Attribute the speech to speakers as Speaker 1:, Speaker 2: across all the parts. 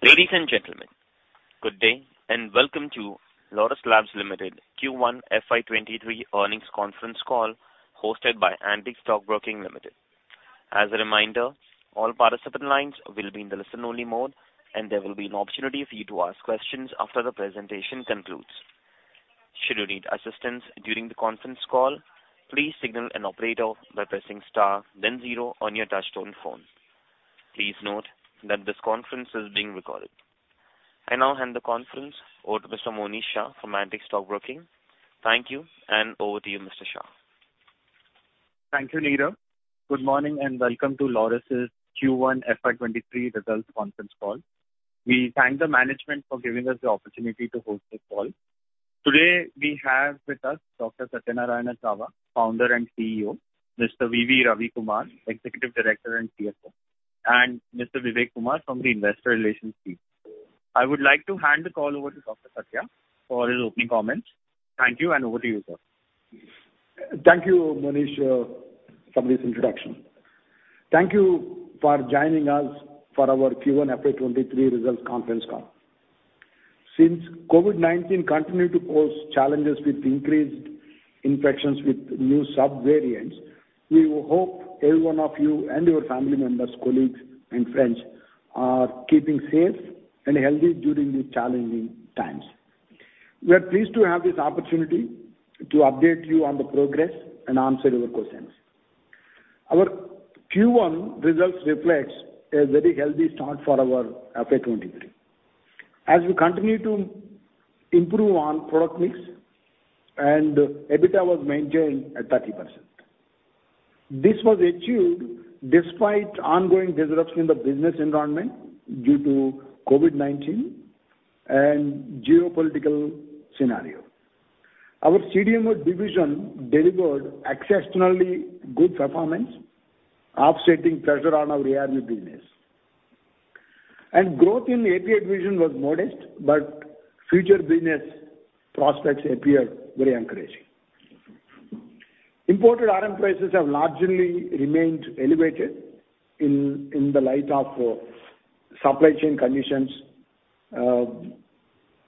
Speaker 1: Ladies and gentlemen, good day, and welcome to Laurus Labs Limited Q1 FY 2023 earnings conference call hosted by Antique Stock Broking Limited. As a reminder, all participant lines will be in the listen only mode, and there will be an opportunity for you to ask questions after the presentation concludes. Should you need assistance during the conference call, please signal an operator by pressing star then zero on your touchtone phone. Please note that this conference is being recorded. I now hand the conference over to Mr. Monish Shah from Antique Stock Broking. Thank you, and over to you, Mr. Shah.
Speaker 2: Thank you, Neeraj. Good morning, and welcome to Laurus' Q1 FY23 Results Conference Call. We thank the management for giving us the opportunity to host this call. Today we have with us Dr. Satyanarayana Chava, founder and CEO, Mr. V.V. Ravi Kumar, executive director and CFO, and Mr. Vivek Kumar from the investor relations team. I would like to hand the call over to Dr. Satyanarayana Chava for his opening comments. Thank you, and over to you, sir.
Speaker 3: Thank you, Monish, for this introduction. Thank you for joining us for our Q1 FY23 Results Conference Call. Since COVID-19 continued to pose challenges with increased infections with new subvariants, we hope every one of you and your family members, colleagues and friends are keeping safe and healthy during these challenging times. We are pleased to have this opportunity to update you on the progress and answer your questions. Our Q1 results reflects a very healthy start for our FY 2023. As we continue to improve on product mix and EBITDA was maintained at 30%. This was achieved despite ongoing disruptions in the business environment due to COVID-19 and geopolitical scenario. Our CDMO division delivered exceptionally good performance, offsetting pressure on our ARV business. Growth in API division was modest, but future business prospects appear very encouraging. Imported RM prices have largely remained elevated in the light of supply chain conditions,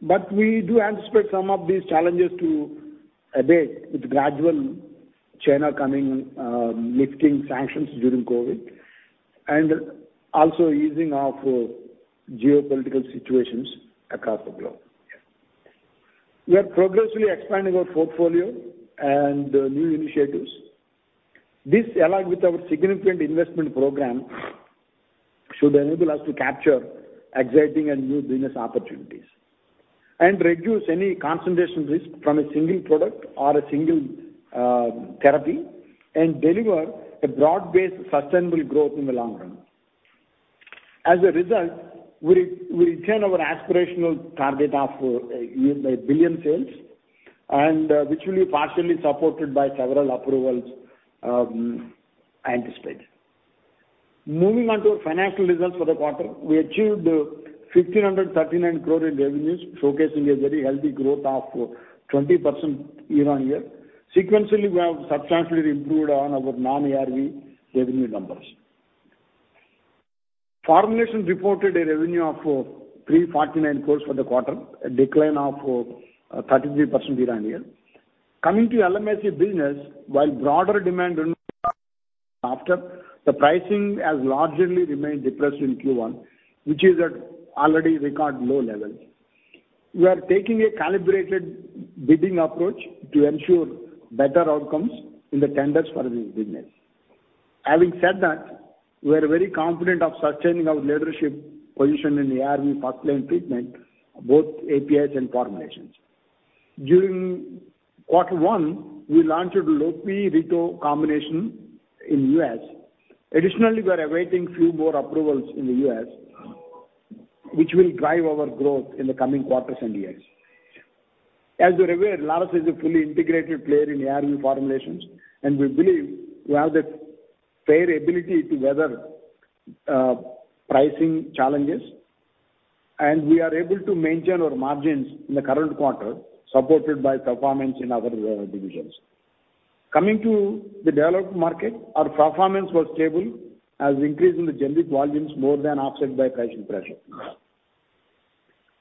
Speaker 3: but we do anticipate some of these challenges to abate with gradual China coming, lifting sanctions during COVID and also easing of geopolitical situations across the globe. We are progressively expanding our portfolio and new initiatives. This, along with our significant investment program, should enable us to capture exciting and new business opportunities and reduce any concentration risk from a single product or a single therapy and deliver a broad-based sustainable growth in the long run. As a result, we retain our aspirational target of 1 billion sales and which will be partially supported by several approvals, anticipated. Moving on to our financial results for the quarter. We achieved 1,539 crore in revenues, showcasing a very healthy growth of 20% year-on-year. Sequentially, we have substantially improved on our non-ARV revenue numbers. Formulations reported a revenue of 349 crore for the quarter, a decline of 33% year-on-year. Coming to LMIC business, while broader demand, the pricing has largely remained depressed in Q1, which is already at record low levels. We are taking a calibrated bidding approach to ensure better outcomes in the tenders for this business. Having said that, we are very confident of sustaining our leadership position in ARV first-line treatment, both APIs and formulations. During quarter one, we launched Lopinavir/Ritonavir combination in U.S. Additionally, we are awaiting few more approvals in the U.S., which will drive our growth in the coming quarters and years. As you're aware, Laurus is a fully integrated player in ARV formulations, and we believe we have the fair ability to weather pricing challenges, and we are able to maintain our margins in the current quarter, supported by performance in other divisions. Coming to the developed market, our performance was stable as the increase in the generic volumes more than offset by pricing pressure.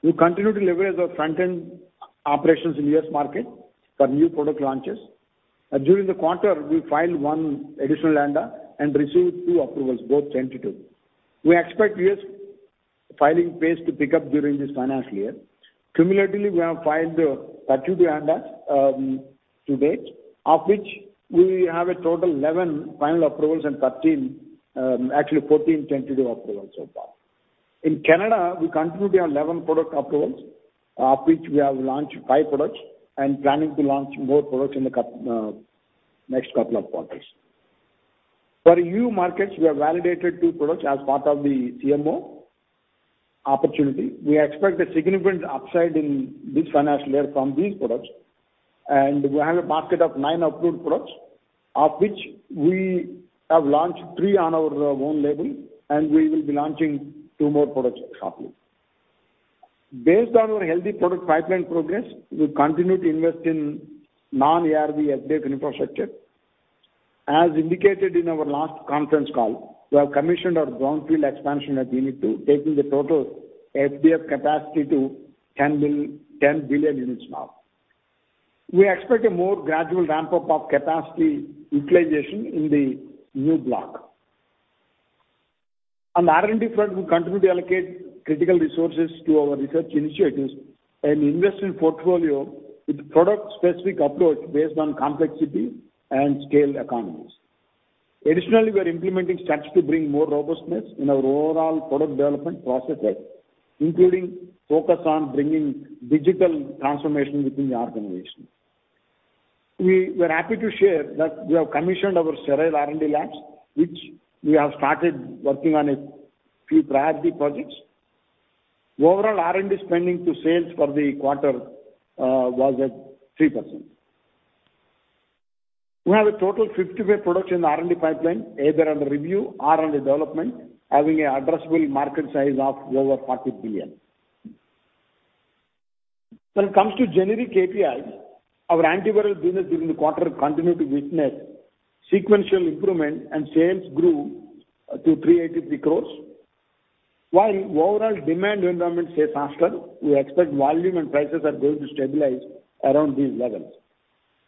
Speaker 3: We continue to leverage our front-end operations in U.S. market for new product launches. During the quarter, we filed one additional ANDA and received two approvals, both tentative. We expect U.S. filing pace to pick up during this financial year. Cumulatively, we have filed 32 ANDAs to date, of which we have a total 11 final approvals and 13, actually 14 tentative approvals so far. In Canada, we continue to have 11 product approvals, of which we have launched five products and planning to launch more products in the next couple of quarters. For EU markets, we have validated two products as part of the CMO opportunity. We expect a significant upside in this financial year from these products, and we have a basket of nine approved products, of which we have launched three on our own label, and we will be launching two more products shortly. Based on our healthy product pipeline progress, we continue to invest in non-ARV FDF infrastructure. As indicated in our last conference call, we have commissioned our brownfield expansion at Unit II, taking the total FDF capacity to 10 billion units now. We expect a more gradual ramp-up of capacity utilization in the new block. On R&D front, we continue to allocate critical resources to our research initiatives and invest in portfolio with product-specific outlays based on complexity and scale economies. Additionally, we are implementing steps to bring more robustness in our overall product development processes, including focus on bringing digital transformation within the organization. We were happy to share that we have commissioned our sterile R&D labs, which we have started working on a few priority projects. Overall R&D spending to sales for the quarter was at 3%. We have a total 55 products in the R&D pipeline, either under review or under development, having an addressable market size of over $40 billion. When it comes to generic APIs, our antiviral business during the quarter continued to witness sequential improvement, and sales grew to 383 crores. While overall demand environment stays faster, we expect volume and prices are going to stabilize around these levels.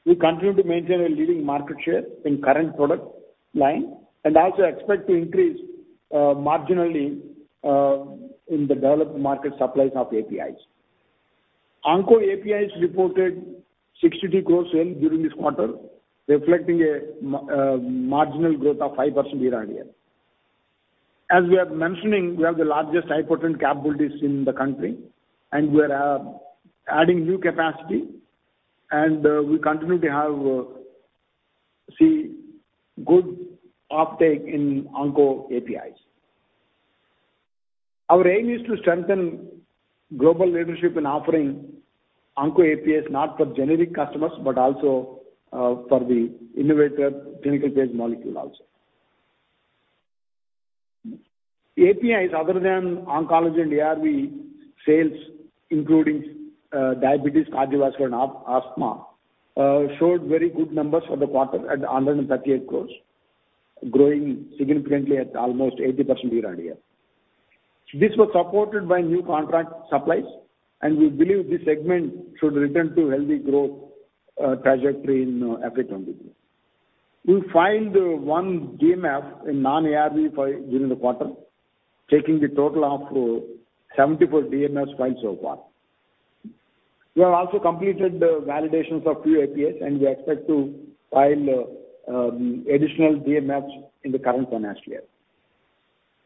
Speaker 3: We continue to maintain a leading market share in current product line and also expect to increase marginally in the developed market supplies of APIs. Onco APIs reported 62 crore sales during this quarter, reflecting a marginal growth of 5% year-on-year. As we are mentioning, we have the largest high-potency capabilities in the country, and we are adding new capacity, and we continue to see good uptake in onco APIs. Our aim is to strengthen global leadership in offering onco APIs, not for generic customers, but also for the innovator clinical-based molecule also. APIs other than oncology and ARV sales, including diabetes, cardiovascular, and asthma, showed very good numbers for the quarter at 138 crore, growing significantly at almost 80% year-on-year. This was supported by new contract supplies, and we believe this segment should return to healthy growth trajectory in FY 2023. We filed one DMF in non-ARV field during the quarter, taking the total of 74 DMFs filed so far. We have also completed the validations of few APIs, and we expect to file the additional DMFs in the current financial year.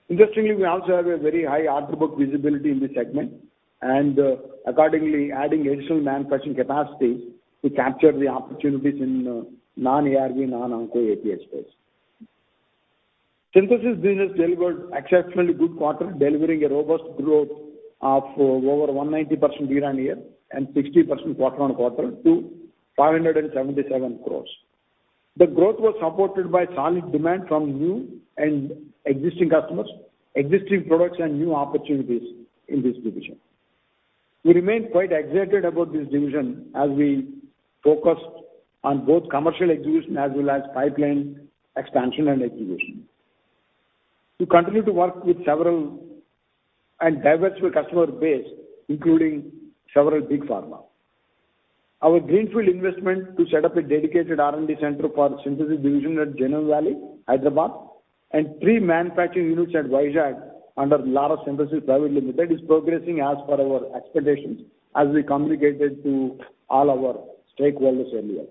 Speaker 3: Interestingly, we also have a very high order book visibility in this segment, and accordingly, adding additional manufacturing capacity to capture the opportunities in non-ARV, non-onco API space. Synthesis business delivered exceptionally good quarter, delivering a robust growth of over 190% year-on-year and 60% quarter-on-quarter to 577 crore. The growth was supported by solid demand from new and existing customers, existing products, and new opportunities in this division. We remain quite excited about this division as we focus on both commercial execution as well as pipeline expansion and execution. We continue to work with several and diverse customer base, including several big pharma. Our greenfield investment to set up a dedicated R&D center for synthesis division at Genome Valley, Hyderabad, and three manufacturing units at Vizag under Laurus Synthesis Private Limited is progressing as per our expectations as we communicated to all our stakeholders earlier.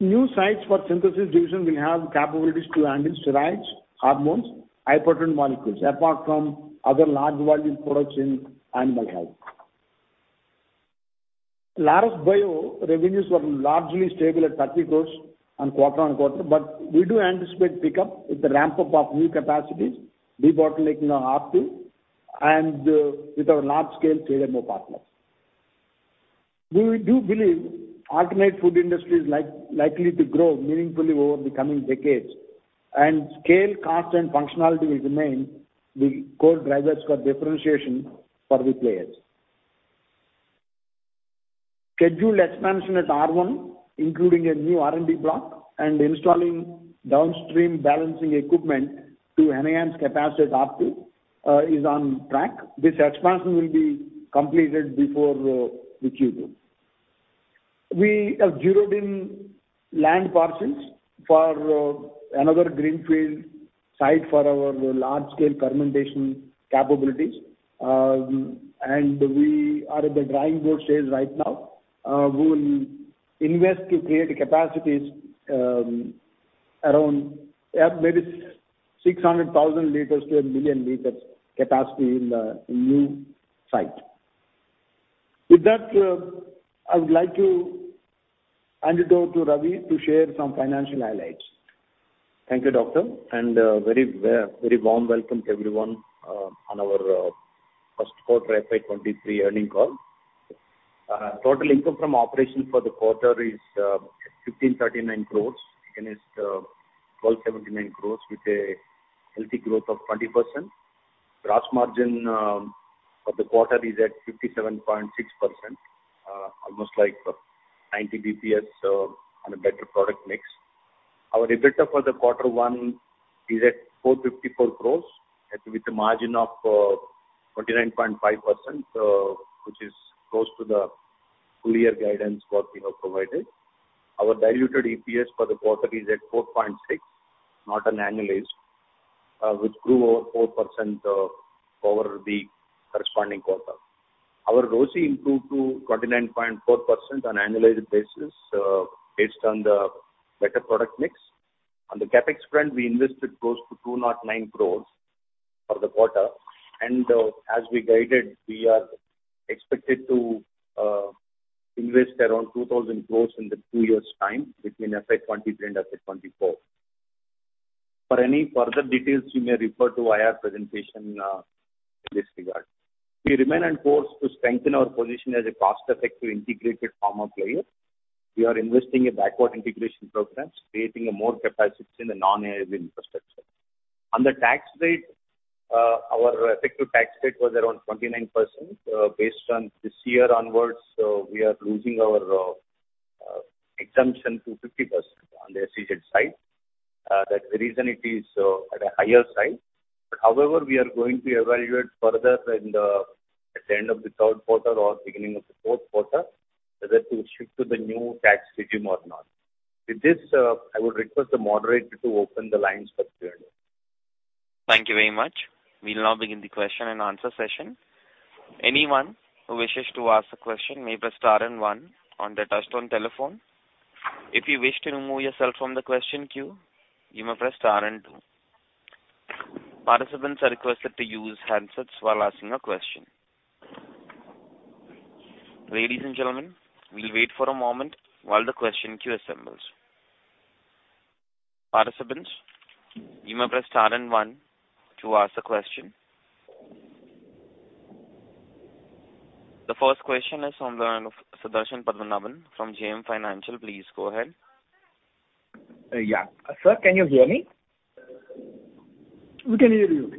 Speaker 3: New sites for synthesis division will have capabilities to handle steroids, hormones, high-potency molecules, apart from other large volume products in animal health. Laurus Bio revenues were largely stable at 30 crores quarter-over-quarter, but we do anticipate pickup with the ramp-up of new capacities, debottlenecking our R2, and with our large-scale CDMO partners. We do believe alternative food industry is likely to grow meaningfully over the coming decades, and scale, cost, and functionality will remain the core drivers for differentiation for the players. Scheduled expansion at R1, including a new R&D block and installing downstream balancing equipment to enhance capacity at R2, is on track. This expansion will be completed before Q2. We have zeroed in on land parcels for another greenfield site for our large-scale fermentation capabilities, and we are at the drawing board stage right now. We will invest to create capacities around maybe 600,000 L -1,000,000 L capacity in the new site. With that, I would like to hand it over to Ravi to share some financial highlights.
Speaker 4: Thank you, Doctor, and a very warm welcome to everyone on our first quarter FY 2023 earnings call. Total income from operation for the quarter is 1,539 crores against 1,279 crores with a healthy growth of 20%. Gross margin for the quarter is at 57.6%, almost like 90 BPS on a better product mix. Our EBITDA for the quarter one is at 454 crores with a margin of 29.5%, which is close to the full year guidance what we have provided. Our diluted EPS for the quarter is at 4.6%, not annualized, which grew over 4% over the corresponding quarter. Our ROCE improved to 29.4% on annualized basis, based on the better product mix. On the CapEx front, we invested close to 209 crores for the quarter. As we guided, we are expected to invest around 2,000 crores in the two years' time between FY 2023 and FY 2024. For any further details, you may refer to IR presentation in this regard. We remain on course to strengthen our position as a cost-effective integrated pharma player. We are investing in backward integration programs, creating more capacities in the non-ARV infrastructure. On the tax rate, our effective tax rate was around 29%. Based on this year onwards, we are losing our exemption to 50% on the SEZ side. That's the reason it is at a higher side. However, we are going to evaluate further at the end of the third quarter or beginning of the fourth quarter, whether to shift to the new tax regime or not. With this, I would request the moderator to open the lines for Q&A.
Speaker 1: Thank you very much. We'll now begin the question and answer session. Anyone who wishes to ask a question may press star and one on their touchtone telephone. If you wish to remove yourself from the question queue, you may press star and two. Participants are requested to use handsets while asking a question. Ladies and gentlemen, we'll wait for a moment while the question queue assembles. Participants, you may press star and one to ask a question. The first question is on the line of Sudarshan Padmanabhan from JM Financial. Please go ahead.
Speaker 5: Yeah. Sir, can you hear me?
Speaker 3: We can hear you.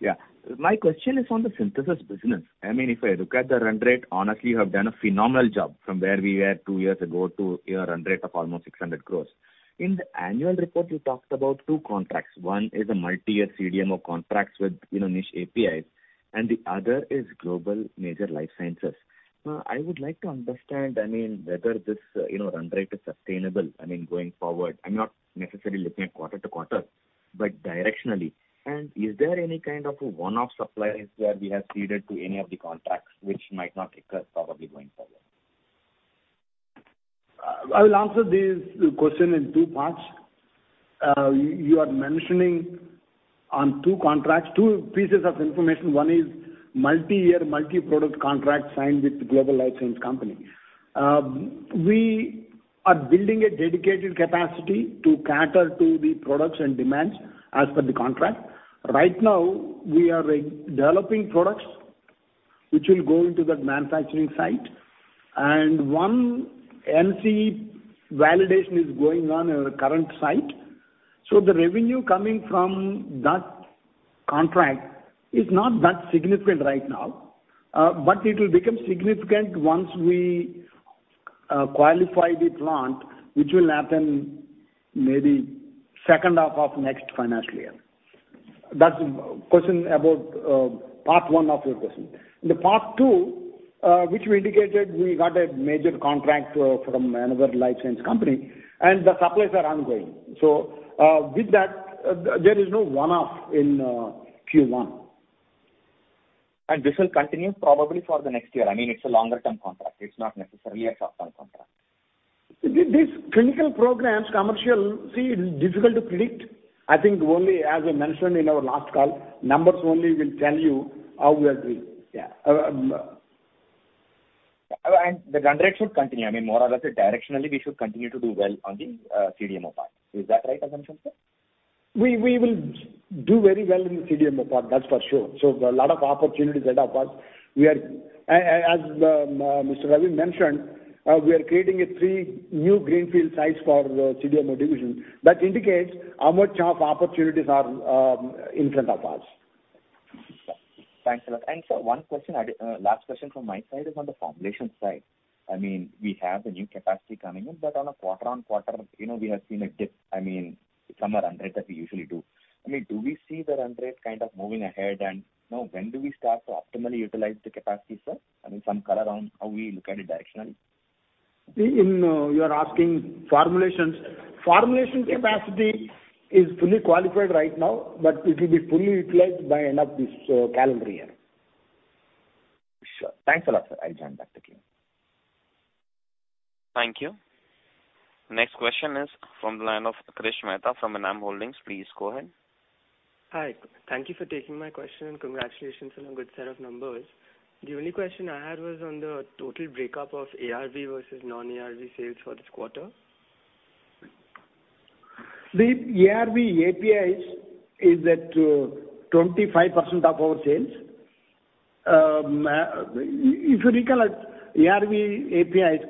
Speaker 5: Yeah. My question is on the synthesis business. I mean, if I look at the run rate, honestly, you have done a phenomenal job from where we were two years ago to your run rate of almost 600 crore. In the annual report, you talked about two contracts. One is a multi-year CDMO contracts with, you know, niche APIs, and the other is global major life sciences. I would like to understand, I mean, whether this, you know, run rate is sustainable, I mean, going forward. I'm not necessarily looking at quarter to quarter, but directionally. Is there any kind of one-off supplies where we have ceded to any of the contracts which might not recur probably going forward?
Speaker 3: I will answer this question in two parts. You are mentioning on two contracts, two pieces of information. One is multi-year, multi-product contract signed with global life science company. We are building a dedicated capacity to cater to the products and demands as per the contract. Right now, we are redeveloping products which will go into that manufacturing site. One QA Validation is going on our current site. The revenue coming from that contract is not that significant right now, but it will become significant once we qualify the plant, which will happen maybe second half of next financial year. That's question about part one of your question. The part two, which we indicated we got a major contract from another life science company, and the supplies are ongoing. With that, there is no one-off in Q1.
Speaker 5: This will continue probably for the next year. I mean, it's a longer-term contract. It's not necessarily a short-term contract.
Speaker 3: These clinical programs, commercial. See, it is difficult to predict. I think only as I mentioned in our last call, numbers only will tell you how we are doing.
Speaker 5: Yeah. The run rate should continue. I mean, more or less directionally, we should continue to do well on the CDMO part. Is that right assumption, sir?
Speaker 3: We will do very well in the CDMO part, that's for sure. There are a lot of opportunities that are for us. As Mr. Ravi mentioned, we are creating three new greenfield sites for the CDMO division. That indicates how many opportunities are in front of us.
Speaker 5: Thanks a lot. Sir, one question I did, last question from my side is on the formulation side. I mean, we have the new capacity coming in, but on a quarter-on-quarter, you know, we have seen a dip, I mean, from our run rate that we usually do. I mean, do we see the run rate kind of moving ahead? And, you know, when do we start to optimally utilize the capacity, sir? I mean, some color around how we look at it directionally.
Speaker 3: You are asking formulations. Formulation capacity is fully qualified right now, but it will be fully utilized by end of this calendar year.
Speaker 5: Sure. Thanks a lot, sir. I'll join back the queue.
Speaker 1: Thank you. Next question is from the line of Krish Mehta from ENAM Holdings. Please go ahead.
Speaker 6: Hi. Thank you for taking my question, and congratulations on a good set of numbers. The only question I had was on the total breakup of ARV versus non-ARV sales for this quarter.
Speaker 3: The ARV APIs is at 25% of our sales. If you recall it, ARV APIs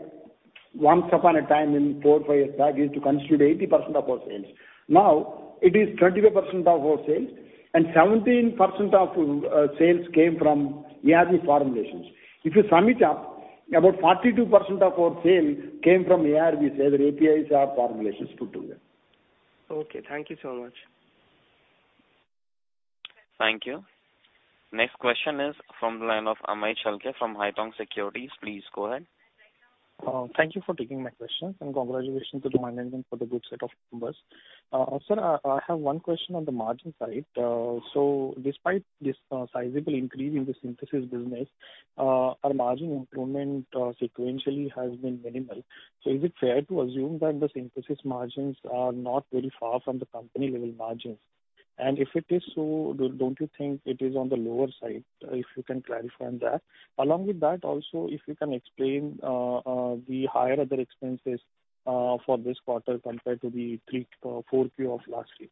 Speaker 3: once upon a time in four to five years back used to constitute 80% of our sales. Now it is 25% of our sales and 17% of sales came from ARV formulations. If you sum it up, about 42% of our sales came from ARVs, either APIs or formulations put together.
Speaker 6: Okay, thank you so much.
Speaker 1: Thank you. Next question is from the line of Amey Chalke from Haitong Securities. Please go ahead.
Speaker 7: Thank you for taking my questions, and congratulations to the management for the good set of numbers. Sir, I have one question on the margin side. Despite this sizable increase in the synthesis business, our margin improvement sequentially has been minimal. Is it fair to assume that the synthesis margins are not very far from the company level margins? And if it is so, don't you think it is on the lower side? If you can clarify on that. Along with that, also, if you can explain the higher other expenses for this quarter compared to the Q4 of last year.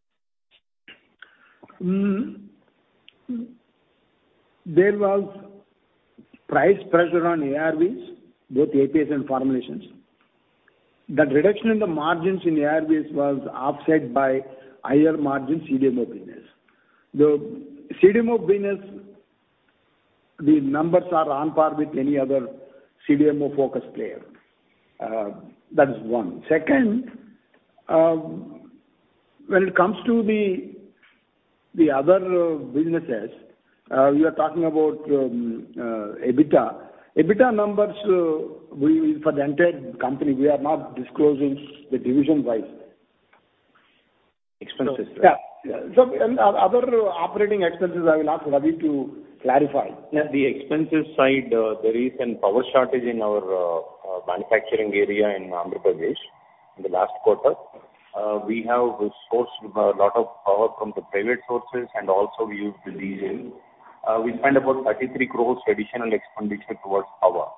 Speaker 3: There was price pressure on ARVs, both APIs and formulations. That reduction in the margins in ARVs was offset by higher margin CDMO business. The CDMO business, the numbers are on par with any other CDMO-focused player. That is one. Second, when it comes to the other businesses, you are talking about EBITDA. EBITDA numbers, we for the entire company, we are not disclosing the division-wise.
Speaker 7: Expenses, right?
Speaker 3: Other operating expenses, I will ask Ravi to clarify.
Speaker 4: Yeah, the expenses side, there is a power shortage in our manufacturing area in Andhra Pradesh in the last quarter. We have sourced a lot of power from the private sources, and also we used diesel. We spent about 33 crore additional expenditure towards power.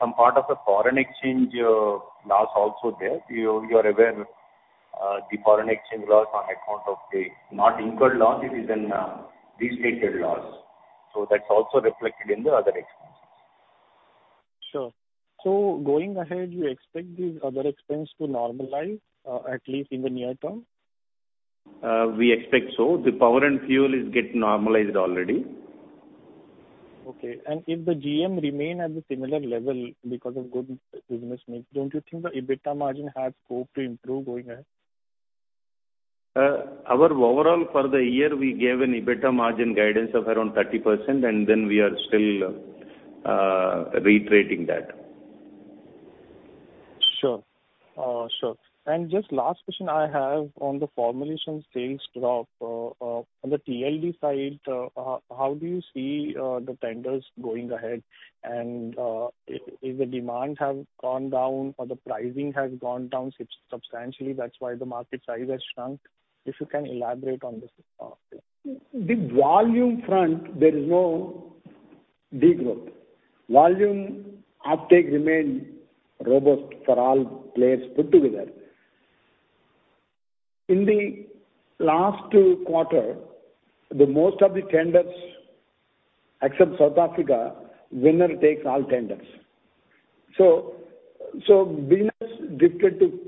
Speaker 4: Some part of the foreign exchange loss also there. You are aware, the foreign exchange loss on account of the unrealized loss. It is a designated loss, so that's also reflected in the other expense.
Speaker 7: Sure. Going ahead, you expect the other expense to normalize, at least in the near term?
Speaker 4: We expect so. The power and fuel is getting normalized already.
Speaker 7: Okay. If the GM remain at the similar level because of good business mix, don't you think the EBITDA margin has scope to improve going ahead?
Speaker 4: Our overall for the year, we gave an EBITDA margin guidance of around 30%, and then we are still reiterating that.
Speaker 7: Just last question I have on the formulation sales drop on the TLD side, how do you see the tenders going ahead? If the demand have gone down or the pricing has gone down substantially, that's why the market size has shrunk. If you can elaborate on this part.
Speaker 3: The volume front, there is no degrowth. Volume uptake remain robust for all players put together. In the last quarter, the most of the tenders, except South Africa, winner takes all tenders. Business drifted to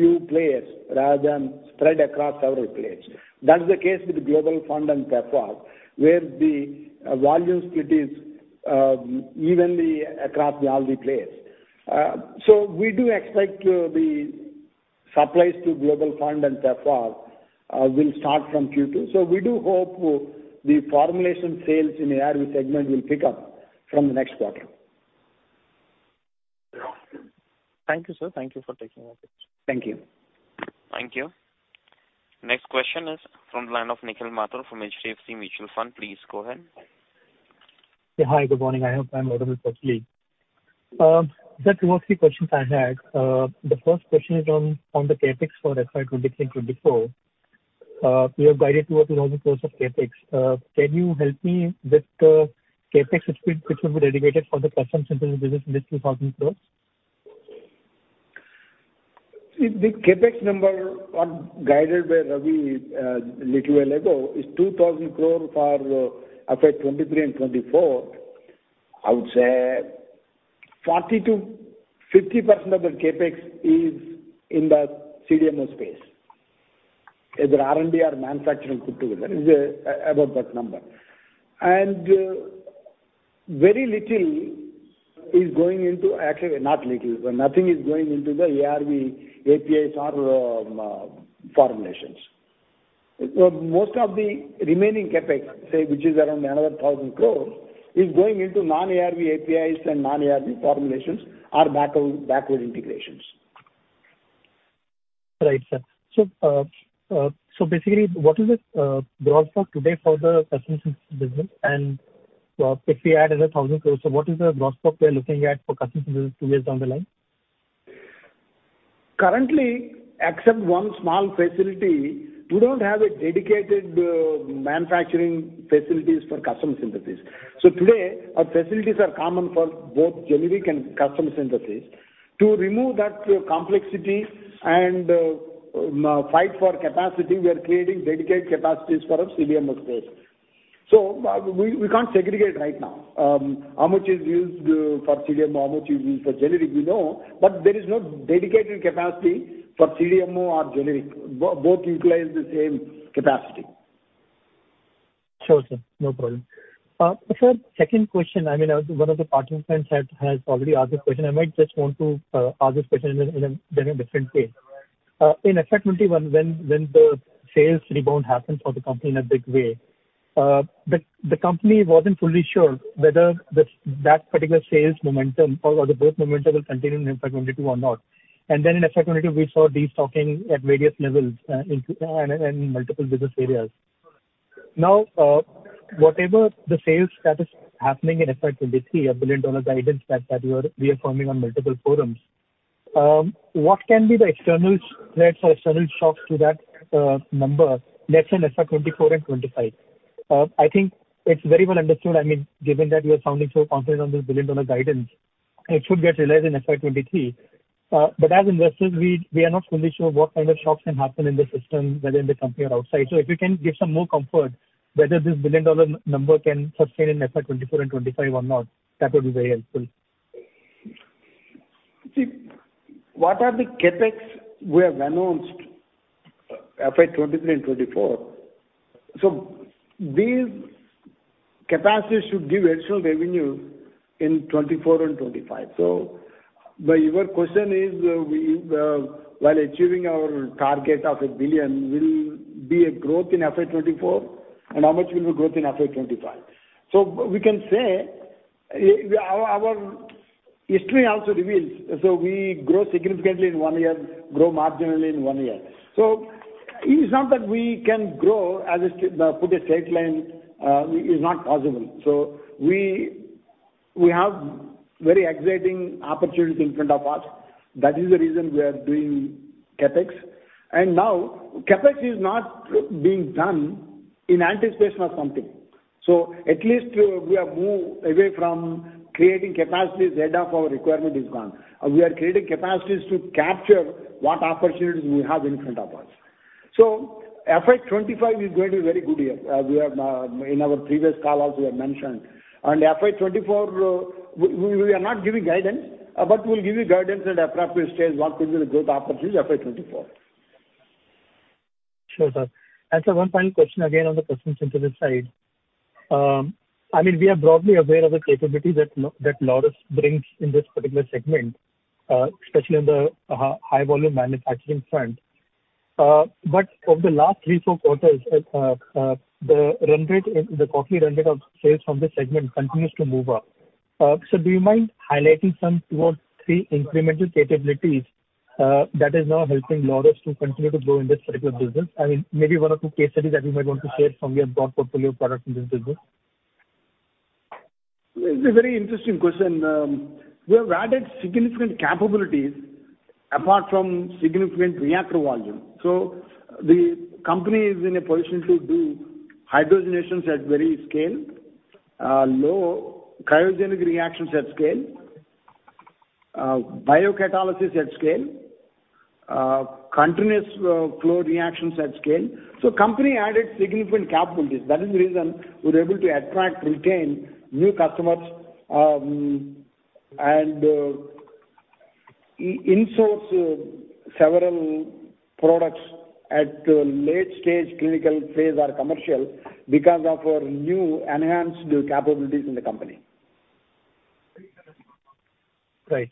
Speaker 3: few players rather than spread across several players. That's the case with Global Fund and PEPFAR, where the volume split is evenly across all the players. We do expect the supplies to Global Fund and PEPFAR will start from Q2. We do hope the formulation sales in ARV segment will pick up from the next quarter.
Speaker 7: Thank you, sir. Thank you for taking my questions.
Speaker 3: Thank you.
Speaker 1: Thank you. Next question is from the line of Nikhil Mathur from HDFC Mutual Fund. Please go ahead.
Speaker 8: Yeah. Hi, good morning. I hope I'm audible clearly. Sir, I had two or three questions. The first question is on the CapEx for FY 2023-2024. You have guided towards INR 1,000 crores of CapEx. Can you help me with the CapEx which will be dedicated for the custom synthesis business in this INR 2,000 crores?
Speaker 3: The CapEx number, guided by Ravi, little while ago is 2,000 crore for FY 2023 and 2024. I would say 40%-50% of the CapEx is in the CDMO space. Either R&D or manufacturing put together is about that number. Actually, not little, but nothing is going into the ARV APIs or formulations. Most of the remaining CapEx, say, which is around another 1,000 crore, is going into non-ARV APIs and non-ARV formulations or backward integrations.
Speaker 8: Right, sir. Basically, what is the gross for today for the custom synthesis business? If we add another 1,000 crore, what is the gross profit we are looking at for custom business two years down the line?
Speaker 3: Currently, except one small facility, we don't have a dedicated manufacturing facilities for custom synthesis. Today our facilities are common for both generic and custom synthesis. To remove that complexity and fight for capacity, we are creating dedicated capacities for our CDMO space. We can't segregate right now. How much is used for CDMO, how much is used for generic we know, but there is no dedicated capacity for CDMO or generic. Both utilize the same capacity.
Speaker 8: Sure, sir. No problem. Sir, second question, I mean, one of the participants has already asked this question. I might just want to ask this question in a very different way. In FY 2021 when the sales rebound happened for the company in a big way, the company wasn't fully sure whether that particular sales momentum or the growth momentum will continue in FY 2022 or not. In FY 2022 we saw destocking at various levels in CDMO and multiple business areas. Now, whatever the sales that is happening in FY 2023, a billion-dollar guidance that you are reaffirming on multiple forums, what can be the external threats or external shocks to that number in FY 2024 and FY 2025? I think it's very well understood, I mean, given that you are sounding so confident on this billion-dollar guidance, it should get realized in FY 2023. But as investors, we are not fully sure what kind of shocks can happen in the system, whether in the company or outside. If you can give some more comfort whether this billion-dollar number can sustain in FY 2024 and 2025 or not, that would be very helpful.
Speaker 3: See, what are the CapEx we have announced, FY 2023 and 2024. These capacities should give actual revenue in 2024 and 2025. Your question is, we, while achieving our target of $1 billion will be a growth in FY 2024 and how much will be growth in FY 2025. We can say, our history also reveals, we grow significantly in one year, grow marginally in one year. It's not that we can grow as a straight line, is not possible. We have very exciting opportunities in front of us. That is the reason we are doing CapEx. Now CapEx is not being done in anticipation of something. At least we have moved away from creating capacities that half our requirement is gone. We are creating capacities to capture what opportunities we have in front of us. FY 2025 is going to be very good year. In our previous call also we have mentioned. FY 2024, we are not giving guidance, but we'll give you guidance at appropriate stage what will be the growth opportunities FY 2024.
Speaker 8: Sure, sir. Sir, one final question again on the custom synthesis side. I mean, we are broadly aware of the capabilities that Laurus brings in this particular segment, especially in the high volume manufacturing front. Over the last three, four quarters, the run rate, the quarterly run rate of sales from this segment continues to move up. Do you mind highlighting some two or three incremental capabilities that is now helping Laurus to continue to grow in this particular business? I mean, maybe one or two case studies that you might want to share from your broad portfolio of products in this business.
Speaker 3: It's a very interesting question. We have added significant capabilities apart from significant reactor volume. The company is in a position to do hydrogenations at very scale, low cryogenic reactions at scale, biocatalysis at scale, continuous flow reactions at scale. Company added significant capabilities. That is the reason we're able to attract, retain new customers, and in-source several products at late-stage clinical phase or commercial because of our new enhanced capabilities in the company.
Speaker 8: Right.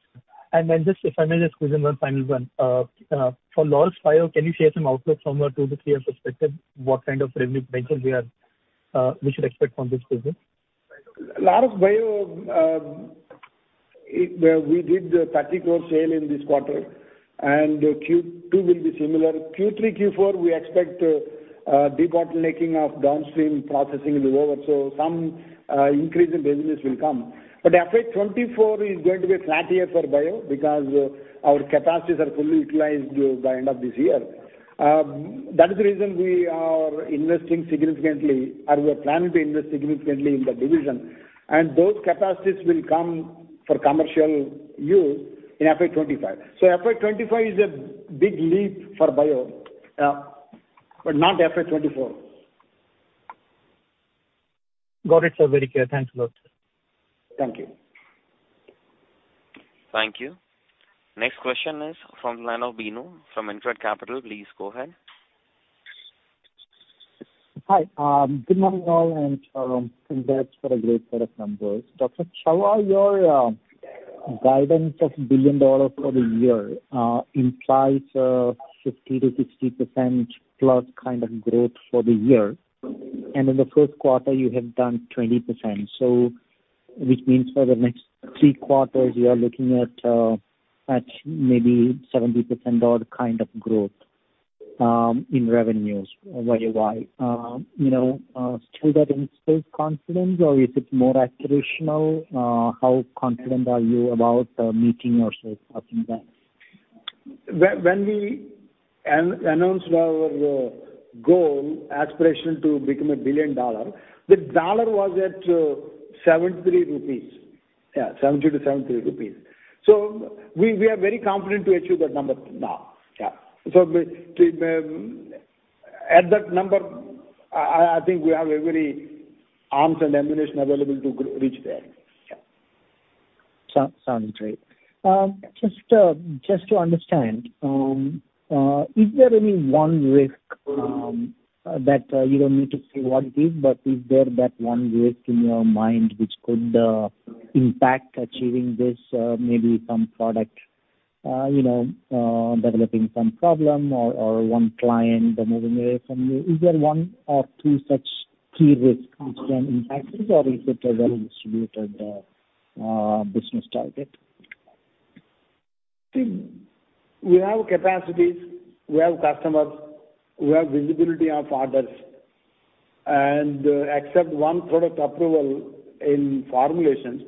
Speaker 8: Just if I may just squeeze in one final one. For Laurus Bio, can you share some outlook from a two to three year perspective, what kind of revenue benchmarks we should expect from this business?
Speaker 3: Laurus Bio. We did 34 sales in this quarter, and Q2 will be similar. Q3, Q4, we expect bottlenecking of downstream processing to be over, so some increase in business will come. FY 2024 is going to be a flat year for Bio because our capacities are fully utilized by end of this year. That is the reason we are investing significantly or we are planning to invest significantly in that division. Those capacities will come for commercial use in FY 2025. FY 2025 is a big leap for Bio, but not FY 2024.
Speaker 8: Got it, sir. Very clear. Thanks a lot, sir.
Speaker 3: Thank you.
Speaker 1: Thank you. Next question is from Lennon Bino from InCred Capital. Please go ahead.
Speaker 9: Hi. Good morning, all, and congrats for a great set of numbers. Dr. Chava, your guidance of $1 billion for the year implies a 50%-60%+ kind of growth for the year. In the first quarter, you have done 20%. Which means for the next three quarters you are looking at maybe 70% odd kind of growth in revenues YoY. You know, still that instills confidence or is it more aspirational? How confident are you about meeting or surpassing that?
Speaker 3: When we announced our goal aspiration to become a billion-dollar, the dollar was at 73 rupees. Yeah, 70-73 rupees. We are very confident to achieve that number now. Yeah. At that number, I think we have every arms and ammunition available to reach there. Yeah.
Speaker 9: Sounds great. Just to understand, is there any one risk that you don't need to say what it is, but is there that one risk in your mind which could impact achieving this? Maybe some product you know developing some problem or one client moving away from you. Is there one or two such key risk which can impact this? Or is it a well-distributed business target?
Speaker 3: See, we have capacities, we have customers, we have visibility of orders, and except one product approval in formulations,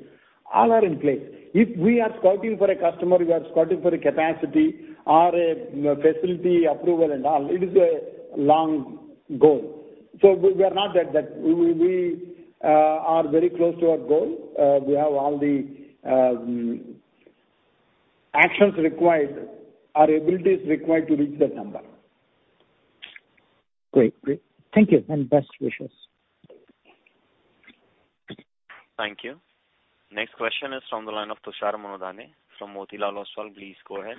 Speaker 3: all are in place. If we are scouting for a customer, we are scouting for a capacity or a facility approval and all. It is a long goal. We are not at that. We are very close to our goal. We have all the actions required, our abilities required to reach that number.
Speaker 9: Great. Thank you and best wishes.
Speaker 1: Thank you. Next question is from the line of Tushar Manudhane from Motilal Oswal. Please go ahead.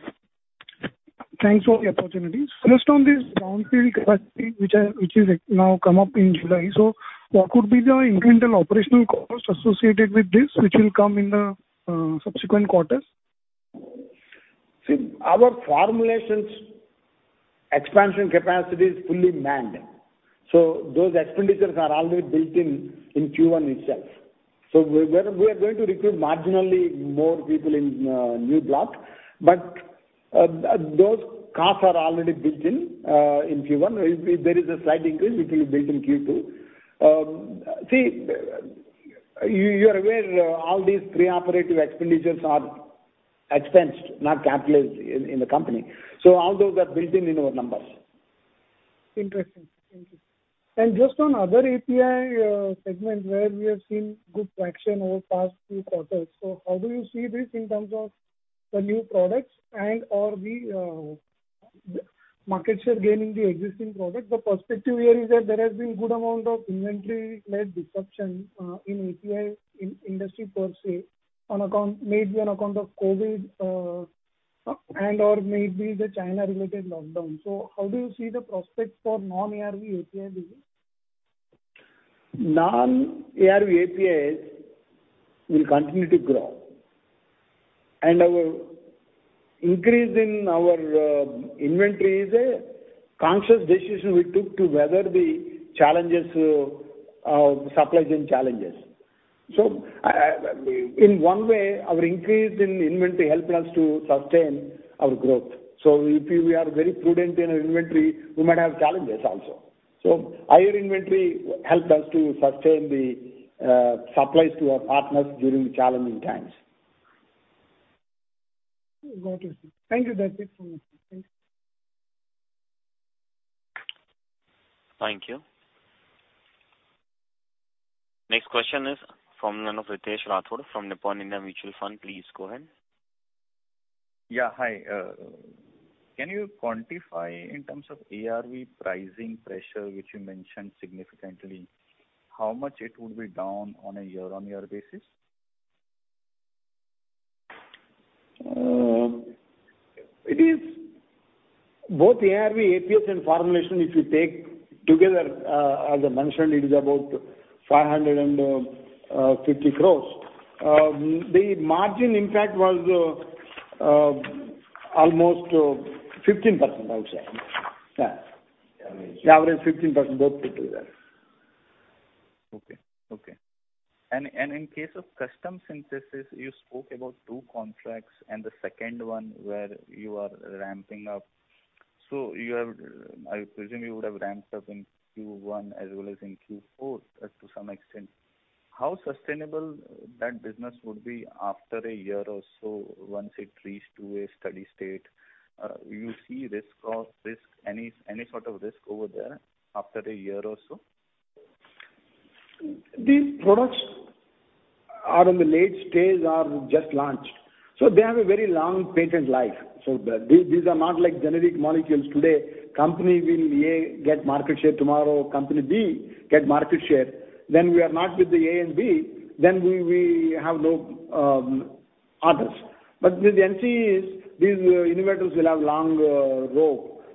Speaker 10: Thanks for the opportunity. First on this Brownfield capacity which is now come up in July, so what would be the incremental operational cost associated with this, which will come in the subsequent quarters?
Speaker 3: See, our formulations expansion capacity is fully manned, so those expenditures are already built in in Q1 itself. We are going to recruit marginally more people in new block, but those costs are already built in in Q1. If there is a slight increase, it will be built in Q2. See, you're aware all these pre-operative expenditures are expensed, not capitalized in the company. All those are built in our numbers.
Speaker 10: Interesting. Thank you. Just on other API segments where we have seen good traction over past few quarters. How do you see this in terms of the new products and/or the market share gain in the existing products? The perspective here is that there has been good amount of inventory-led disruption in API industry per se on account, maybe on account of COVID, and/or maybe the China-related lockdown. How do you see the prospects for non-ARV API business?
Speaker 3: Non-ARV APIs will continue to grow. Our increase in our inventory is a conscious decision we took to weather the challenges of supply chain challenges. In one way, our increase in inventory helped us to sustain our growth. If we are very prudent in our inventory, we might have challenges also. Higher inventory helped us to sustain the supplies to our partners during the challenging times.
Speaker 10: Got it. Thank you, that's it from me. Thanks.
Speaker 1: Thank you. Next question is from the line of Ritesh Rathod from Nippon India Mutual Fund. Please go ahead.
Speaker 11: Yeah. Hi. Can you quantify in terms of ARV pricing pressure, which you mentioned significantly, how much it would be down on a year-on-year basis?
Speaker 3: It is both ARV, APIs and formulation, if you take together, as I mentioned, it is about 550 crores. The margin impact was almost 15%, I would say.
Speaker 11: Okay.
Speaker 3: Average 15%, both put together.
Speaker 11: Okay. In case of custom synthesis, you spoke about two contracts and the second one where you are ramping up. You have, I presume, you would have ramped up in Q1 as well as in Q4, to some extent. How sustainable that business would be after a year or so once it reached to a steady state? You see risk of this, any sort of risk over there after a year or so?
Speaker 3: These products are in the late stage or just launched, so they have a very long patent life. These are not like generic molecules. Today company A will get market share, tomorrow company B get market share. We are not with the A and B, then we have no orders. With NCEs, these innovators will have long rope.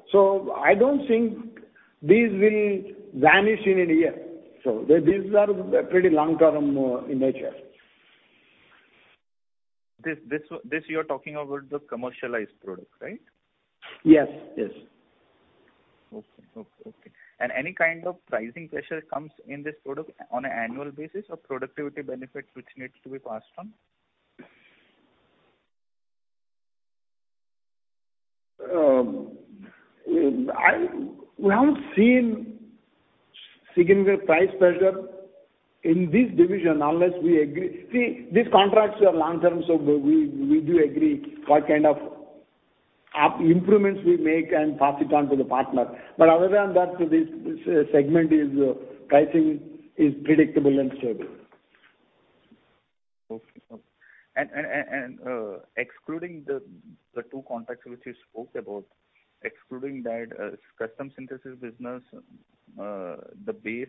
Speaker 3: I don't think these will vanish in a year, so. These are pretty long term in nature.
Speaker 11: This, you are talking about the commercialized product, right?
Speaker 3: Yes. Yes.
Speaker 11: Okay. Any kind of pricing pressure comes in this product on an annual basis or productivity benefits which needs to be passed on?
Speaker 3: We haven't seen significant price pressure in this division unless we agree. See, these contracts are long term, so we do agree what kind of improvements we make and pass it on to the partner. Other than that, this segment, pricing is predictable and stable.
Speaker 11: Excluding the two contracts which you spoke about, excluding that custom synthesis business, the base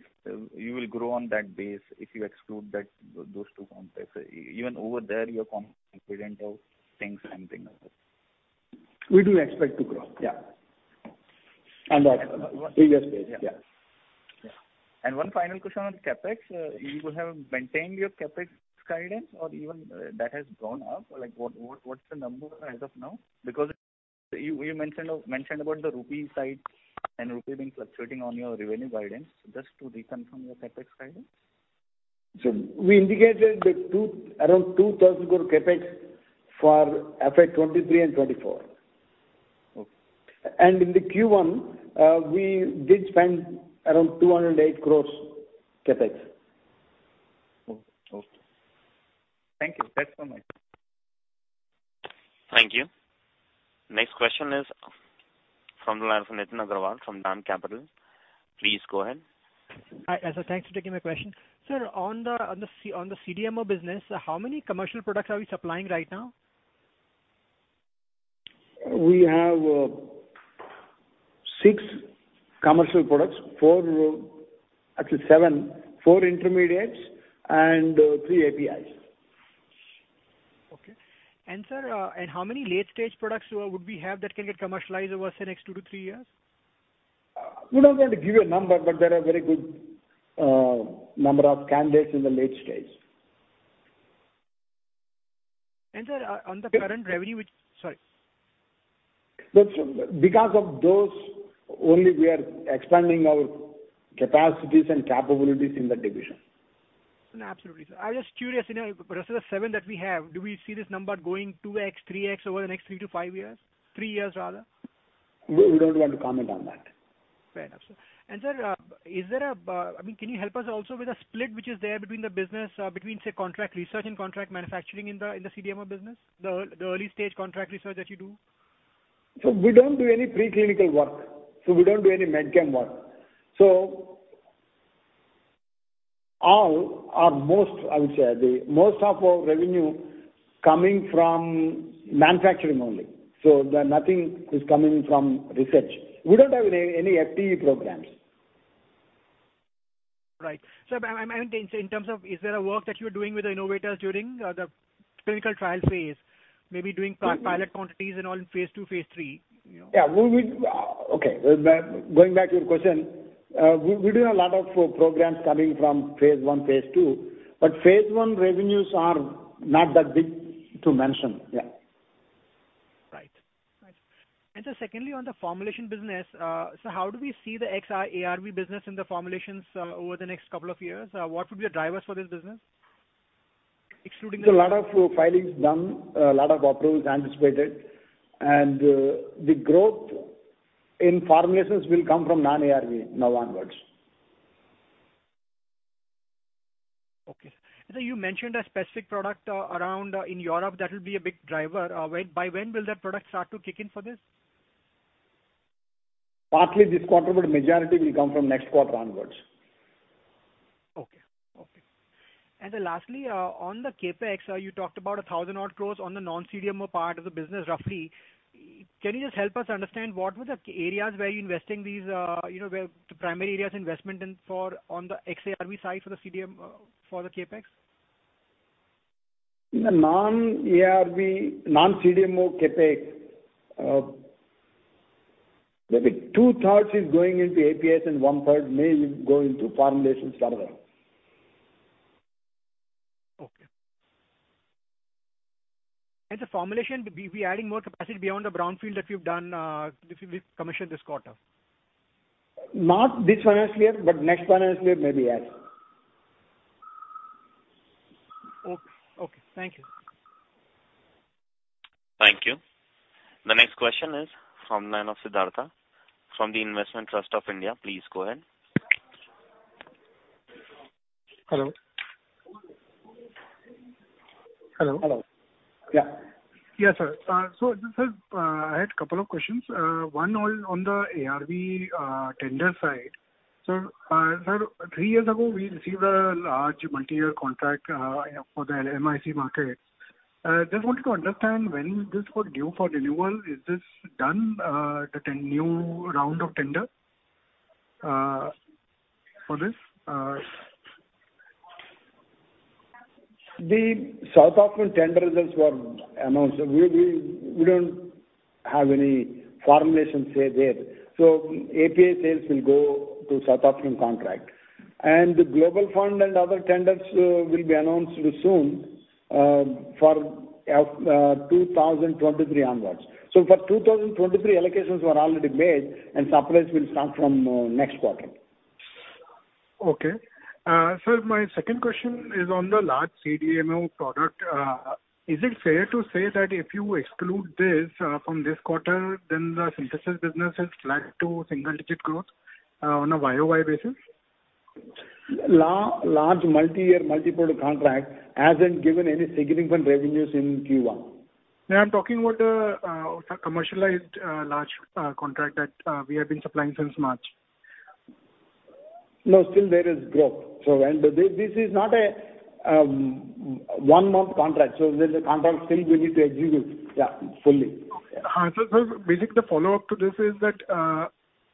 Speaker 11: you will grow on that base if you exclude that, those two contracts. Even over there, you are confident of things and things like that.
Speaker 3: We do expect to grow.
Speaker 11: Yeah.
Speaker 3: On that previous base. Yeah.
Speaker 11: Yeah. One final question on CapEx. You would have maintained your CapEx guidance or even that has gone up. Like, what's the number as of now? Because you mentioned about the rupee side and rupee being fluctuating on your revenue guidance. Just to reconfirm your CapEx guidance.
Speaker 3: We indicated that around 2,000 crore CapEx for FY 2023 and 2024.
Speaker 11: Okay.
Speaker 3: In the Q1, we did spend around 208 crore CapEx.
Speaker 11: Okay. Thank you. Thanks so much.
Speaker 1: Thank you. Next question is from the line of Nitin Agarwal from DAM Capital. Please go ahead.
Speaker 12: Thanks for taking my question. Sir, on the CDMO business, how many commercial products are we supplying right now?
Speaker 3: We have six commercial products, four, actually seven. Four intermediates and three APIs.
Speaker 12: Okay. Sir, how many late-stage products would we have that can get commercialized over, say, next two to three years?
Speaker 3: We're not going to give you a number, but there are very good number of candidates in the late stage.
Speaker 12: Sir, on the current revenue which. Sorry.
Speaker 3: That's because of those only we are expanding our capacities and capabilities in that division.
Speaker 12: No, absolutely, sir. I was just curious, you know, rest of the seven that we have, do we see this number going 2x, 3x over the next three to five years? Three years, rather?
Speaker 3: We don't want to comment on that.
Speaker 12: Fair enough, sir. Sir, is there a, I mean, can you help us also with a split which is there between the business, say, contract research and contract manufacturing in the CDMO business? The early stage contract research that you do.
Speaker 3: We don't do any pre-clinical work, so we don't do any med chem work. All or most, I would say, the most of our revenue coming from manufacturing only. The nothing is coming from research. We don't have any FTE programs.
Speaker 12: Right. I mean, in terms of is there a work that you're doing with the innovators during the clinical trial phase? Maybe doing pilot quantities and all in phase II, phase III, you know?
Speaker 3: Yeah. Okay. Well, ma'am, going back to your question, we're doing a lot of programs coming from phase I, phase II, but phase I revenues are not that big to mention. Yeah.
Speaker 12: Right. Sir, secondly, on the formulation business, so how do we see the XR ARV business in the formulations, over the next couple of years? What would be the drivers for this business? Excluding the-
Speaker 3: A lot of filings done, a lot of approvals anticipated, and the growth in formulations will come from non-ARV now onwards.
Speaker 12: Okay. Sir, you mentioned a specific product in Europe that will be a big driver. By when will that product start to kick in for this?
Speaker 3: Partly this quarter, but majority will come from next quarter onwards.
Speaker 12: Okay, lastly, on the CapEx, you talked about 1,000-odd crore on the non-CDMO part of the business, roughly. Can you just help us understand what were the areas where you're investing these, you know, where the primary areas investment in for on the ex-ARV side for the CapEx?
Speaker 3: In the non-ARV, non-CDMO CapEx, maybe two-thirds is going into APIs and one-third may go into formulations further.
Speaker 12: Okay. The formulation, are we adding more capacity beyond the brownfield that you've commissioned this quarter?
Speaker 3: Not this financial year, but next financial year, maybe, yes.
Speaker 12: Okay. Thank you.
Speaker 1: Thank you. The next question is from the line of Siddhartha from The Investment Trust of India. Please go ahead.
Speaker 13: Hello? Hello?
Speaker 3: Hello. Yeah.
Speaker 13: Yes, sir. Sir, I had couple of questions. One on the ARV tender side. Sir, three years ago we received a large multi-year contract for the LMIC market. Just wanted to understand when this was due for renewal. Is this done, the new round of tender for this?
Speaker 3: The South African tender results were announced. We don't have any formulation business there. API sales will go to South African contract. The Global Fund and other tenders will be announced soon for 2023 onwards. For 2023, allocations were already made and supplies will start from next quarter.
Speaker 13: Okay. Sir, my second question is on the large CDMO product. Is it fair to say that if you exclude this from this quarter, then the synthesis business is flat to single digit growth on a YoY basis?
Speaker 3: Large multiyear multiproduct contract hasn't given any significant revenues in Q1.
Speaker 13: No, I'm talking about commercialized large contract that we have been supplying since March.
Speaker 3: No, still there is growth. This is not a one month contract, so there's a contract still we need to execute, yeah, fully.
Speaker 13: Sir, basically the follow-up to this is that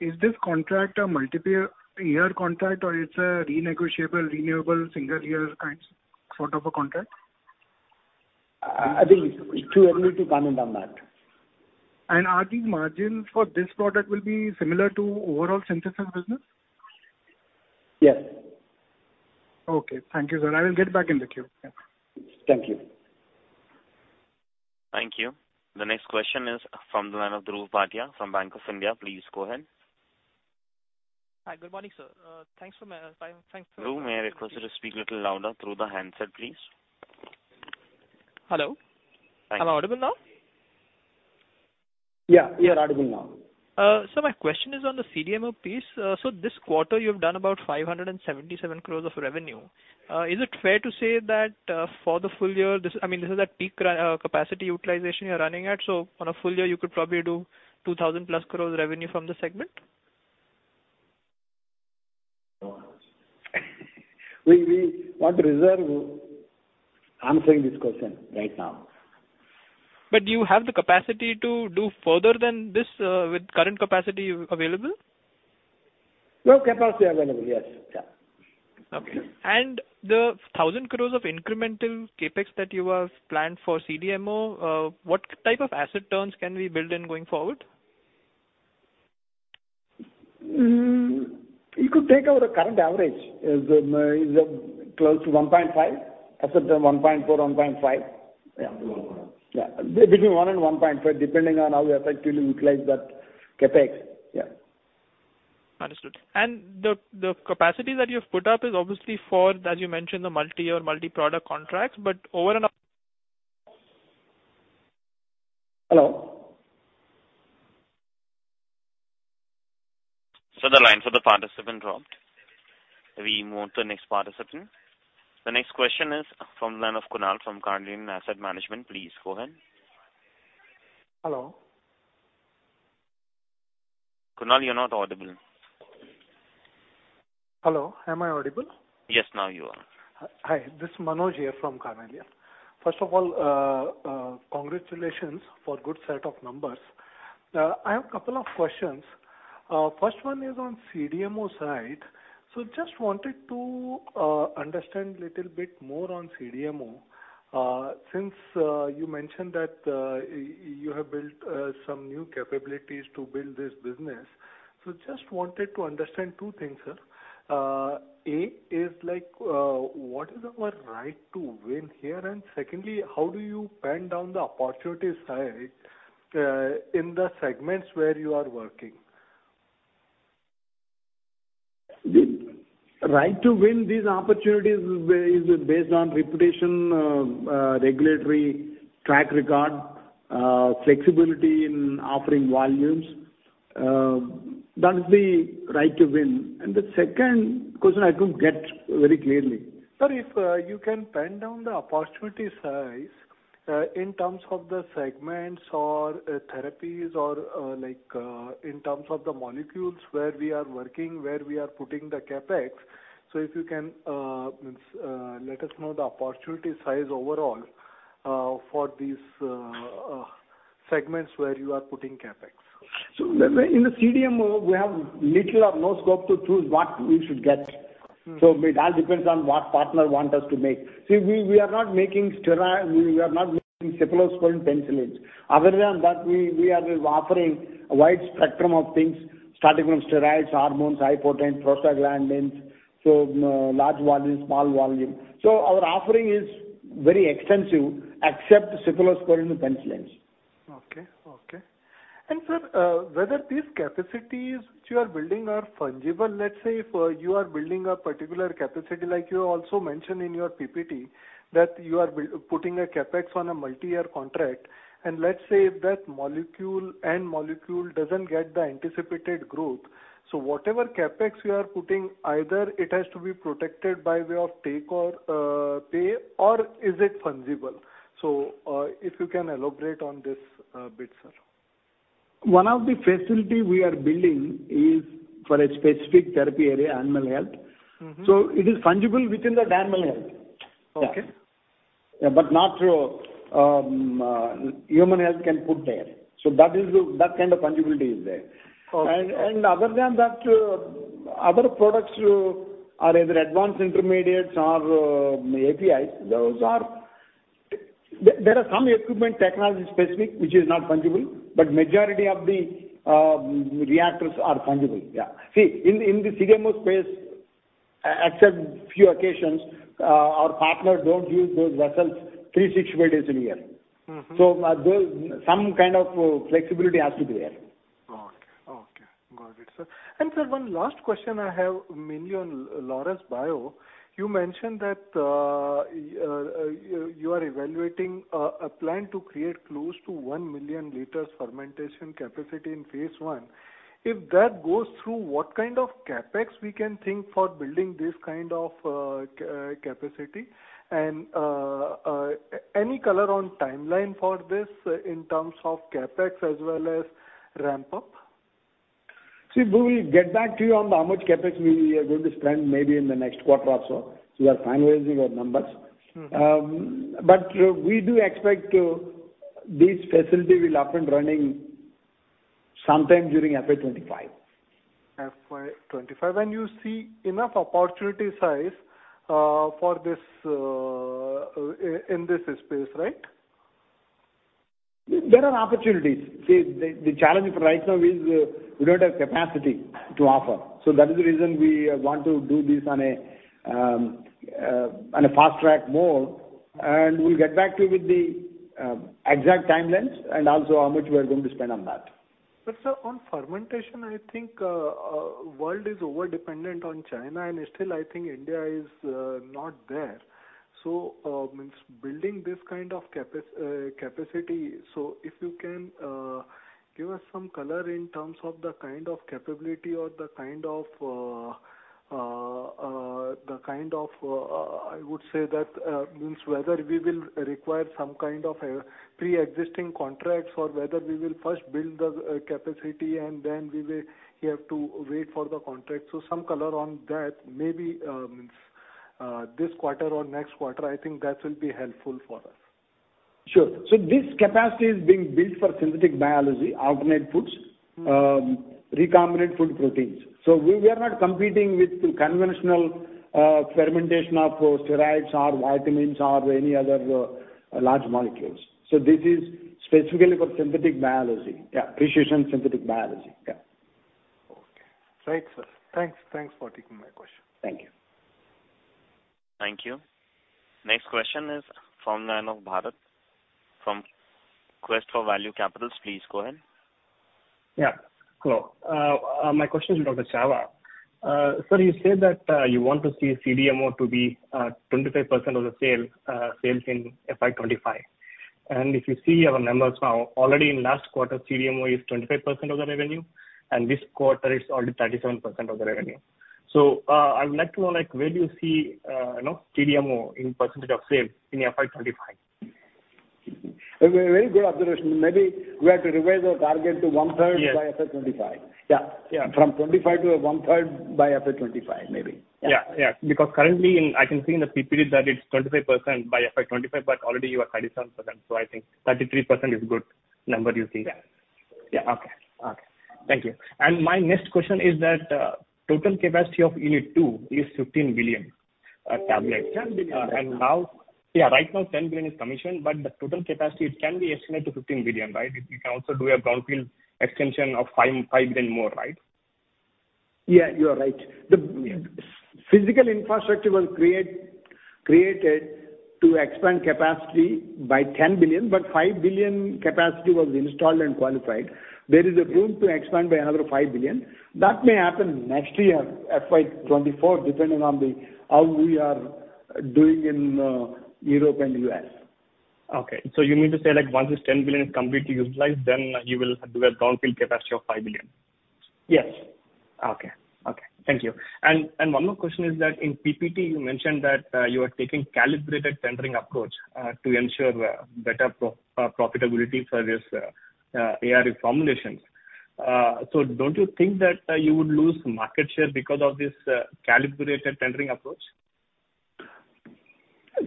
Speaker 13: is this contract a multi-year year contract or it's a renegotiable renewable single year kind of a contract?
Speaker 3: I think it's too early to comment on that.
Speaker 13: Are the margins for this product will be similar to overall Synthesis business?
Speaker 3: Yes.
Speaker 13: Okay. Thank you, sir. I will get back in the queue. Yeah.
Speaker 3: Thank you.
Speaker 1: Thank you. The next question is from the line of Dhruv Bhatia from Bank of India. Please go ahead.
Speaker 14: Hi. Good morning, sir. Thanks for-
Speaker 1: Dhruv, may I request you to speak a little louder through the handset, please.
Speaker 14: Hello.
Speaker 1: Thanks.
Speaker 14: Am I audible now?
Speaker 3: Yeah, you are audible now.
Speaker 14: My question is on the CDMO piece. This quarter you've done about 577 crore of revenue. Is it fair to say that for the full year, this I mean, this is at peak capacity utilization you're running at, so on a full year you could probably do 2,000+ crore revenue from this segment?
Speaker 3: We want to reserve answering this question right now.
Speaker 14: Do you have the capacity to do further than this, with current capacity available?
Speaker 3: No capacity available. Yes. Yeah.
Speaker 14: Okay. The 1,000 crore of incremental CapEx that you have planned for CDMO, what type of asset turns can we build in going forward?
Speaker 3: You could take our current average is close to 1.5%. Asset turn 1.4%, 1.5%. Yeah.
Speaker 14: 1.5%.
Speaker 3: Yeah. Between 1% and 1.5%, depending on how we effectively utilize that CapEx. Yeah.
Speaker 14: Understood. The capacity that you've put up is obviously for, as you mentioned, the multi-year multiproduct contracts. Over and above.
Speaker 3: Hello?
Speaker 1: Sir, the lines of the participant dropped. We move to the next participant. The next question is from the line of Kunal from Carnelian Asset Management. Please go ahead.
Speaker 15: Hello?
Speaker 1: Kunal, you're not audible.
Speaker 15: Hello, am I audible?
Speaker 1: Yes, now you are.
Speaker 15: Hi, this is Manoj here from Carnelian. First of all, congratulations for good set of numbers. I have a couple of questions. First one is on CDMO side. Just wanted to understand little bit more on CDMO. Since you mentioned that you have built some new capabilities to build this business. Just wanted to understand two things, sir. A is like what is our right to win here? And secondly, how do you pin down the opportunity side in the segments where you are working?
Speaker 3: The right to win these opportunities is based on reputation, regulatory track record, flexibility in offering volumes. That is the right to win. The second question I couldn't get very clearly.
Speaker 15: Sir, if you can pen down the opportunity size in terms of the segments or therapies or like in terms of the molecules where we are working, where we are putting the CapEx. If you can let us know the opportunity size overall for these segments where you are putting CapEx.
Speaker 3: In the CDMO, we have little or no scope to choose what we should get.
Speaker 15: Mm.
Speaker 3: It all depends on what partner want us to make. See, we are not making cephalosporin penicillins. Other than that, we are offering a wide spectrum of things starting from steroids, hormones, hypotensive, prostaglandins, so large volume, small volume. Our offering is very extensive except cephalosporin penicillins.
Speaker 15: Okay. Sir, whether these capacities which you are building are fungible, let's say if you are building a particular capacity, like you also mentioned in your PPT, that you are putting a CapEx on a multi-year contract, and let's say if that molecule, N molecule doesn't get the anticipated growth. Whatever CapEx you are putting, either it has to be protected by way of take or pay, or is it fungible? If you can elaborate on this bit, sir.
Speaker 3: One of the facilities we are building is for a specific therapy area, animal health.
Speaker 15: Mm-hmm.
Speaker 3: It is fungible within the animal health.
Speaker 15: Okay.
Speaker 3: Not human health can put there. That kind of fungibility is there.
Speaker 15: Okay.
Speaker 3: Other than that, other products are either advanced intermediates or APIs. There are some equipment- or technology-specific which is not fungible, but majority of the reactors are fungible. Yeah. See, in the CDMO space, except few occasions, our partners don't use those vessels 365 days in a year.
Speaker 15: Mm-hmm.
Speaker 3: There's some kind of flexibility has to be there.
Speaker 15: Got it, sir. Sir, one last question I have mainly on Laurus Bio. You mentioned that you are evaluating a plan to create close to 1 million L fermentation capacity in phase I. If that goes through, what kind of CapEx we can think for building this kind of capacity? Any color on timeline for this in terms of CapEx as well as ramp up?
Speaker 3: See, we will get back to you on how much CapEx we are going to spend maybe in the next quarter or so. We are finalizing our numbers.
Speaker 15: Mm.
Speaker 3: We do expect this facility will be up and running sometime during FY 2025.
Speaker 15: FY 2025. You see enough opportunity size for this in this space, right?
Speaker 3: There are opportunities. See, the challenge right now is we don't have capacity to offer. That is the reason we want to do this on a fast-track mode. We'll get back to you with the exact timelines and also how much we are going to spend on that.
Speaker 15: Sir, on fermentation, I think world is overdependent on China, and still I think India is not there. Building this kind of capacity, so if you can give us some color in terms of the kind of capability or the kind of I would say that means whether we will require some kind of a preexisting contracts or whether we will first build the capacity and then we will have to wait for the contract. Some color on that, maybe this quarter or next quarter, I think that will be helpful for us.
Speaker 3: Sure. This capacity is being built for synthetic biology, alternative foods.
Speaker 15: Mm-hmm.
Speaker 3: Recombinant food proteins. We are not competing with conventional fermentation of steroids or vitamins or any other large molecules. This is specifically for synthetic biology. Yeah, precision synthetic biology. Yeah.
Speaker 15: Okay. Right, sir. Thanks. Thanks for taking my question.
Speaker 3: Thank you.
Speaker 1: Thank you. Next question is from the line of Bharat from ValueQuest Capital. Please go ahead.
Speaker 16: My question is to Dr. Chawa. Sir, you said that you want to see CDMO to be 25% of the sales in FY 2025. If you see our numbers now, already in last quarter, CDMO is 25% of the revenue, and this quarter it's only 37% of the revenue. I would like to know, like, where do you see, you know, CDMO in percentage of sales in FY 2025?
Speaker 3: A very good observation. Maybe we have to revise our target to one-third.
Speaker 16: Yes.
Speaker 3: By FY 2025. Yeah.
Speaker 16: Yeah.
Speaker 3: From 25% to one-third by FY 2025, maybe. Yeah.
Speaker 16: Yeah, yeah. Currently I can see in the PPT that it's 25% by FY 2025, but already you are 37%, so I think 33% is good number you think?
Speaker 3: Yeah.
Speaker 16: Okay. Thank you. My next question is that total capacity of Unit 2 is 15 billion tablets.
Speaker 3: 10 billion.
Speaker 16: Yeah, right now 10 billion is commissioned, but the total capacity it can be estimated to 15 billion, right? You can also do a brownfield extension of 5 billion more, right?
Speaker 3: Yeah, you are right. The physical infrastructure was created to expand capacity by 10 billion, but 5 billion capacity was installed and qualified. There is a room to expand by another 5 billion. That may happen next year, FY 2024, depending on how we are doing in Europe and U.S.
Speaker 16: Okay. You mean to say, like, once this 10 billion is completely utilized, then you will do a brownfield capacity of 5 billion?
Speaker 3: Yes.
Speaker 16: Okay. Thank you. One more question is that in PPT you mentioned that you are taking calibrated tendering approach to ensure better profitability for this ARV formulations. So don't you think that you would lose market share because of this calibrated tendering approach?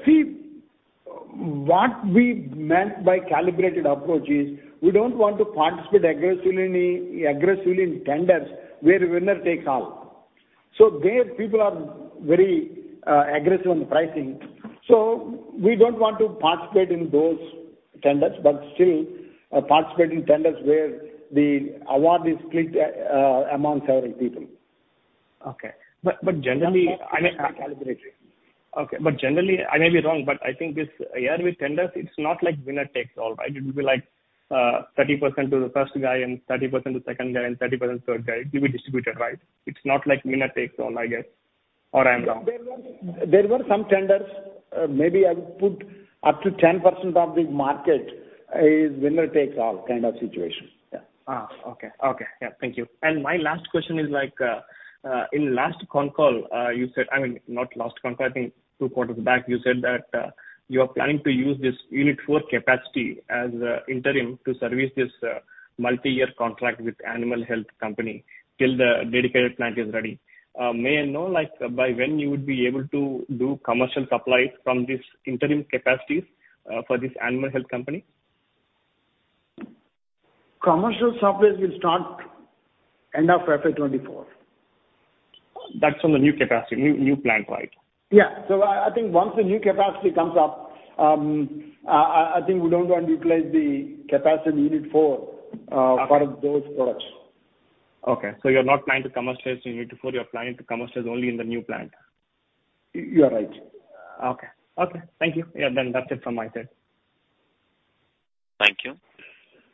Speaker 3: See, what we meant by calibrated approach is we don't want to participate aggressively in tenders where winner takes all. There, people are very aggressive on the pricing. We don't want to participate in those tenders, but still participate in tenders where the award is split among several people.
Speaker 16: Generally, I mean, I may be wrong, but I think this ARV tenders, it's not like winner takes all, right? It will be like, 30% to the first guy and 30% to second guy and 30% to third guy. It will be distributed, right? It's not like winner takes all, I guess, or I'm wrong.
Speaker 3: There were some tenders, maybe I would put up to 10% of the market is winner takes all kind of situation. Yeah.
Speaker 16: My last question is like, in last con call, you said. I mean, not last con call, I think two quarters back, you said that you are planning to use this unit four capacity as interim to service this multi-year contract with animal health company till the dedicated plant is ready. May I know, like, by when you would be able to do commercial supplies from this interim capacities for this animal health company?
Speaker 3: Commercial supplies will start end of FY 2024.
Speaker 16: That's on the new capacity, new plant, right?
Speaker 3: Yeah. I think once the new capacity comes up, I think we don't want to utilize the capacity unit four.
Speaker 16: Okay.
Speaker 3: For those products.
Speaker 16: Okay. You're not planning to commercialize unit 4, you're planning to commercialize only in the new plant?
Speaker 3: You are right.
Speaker 16: Okay. Thank you. Yeah, that's it from my side.
Speaker 1: Thank you.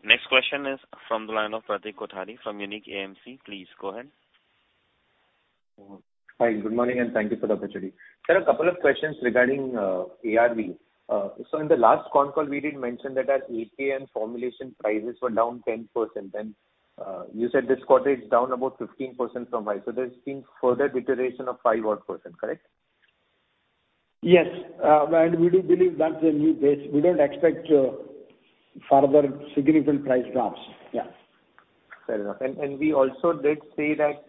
Speaker 1: Next question is from the line of Pratik Kothari from Unique AMC. Please go ahead.
Speaker 17: Hi, good morning, and thank you for the opportunity. Sir, a couple of questions regarding ARV. In the last call we did mention that our API and formulation prices were down 10%, then you said this quarter it's down about 15% from high. There's been further deterioration of 5% odd, correct?
Speaker 3: Yes. We do believe that's a new base. We don't expect further significant price drops. Yeah.
Speaker 17: Fair enough. We also did say that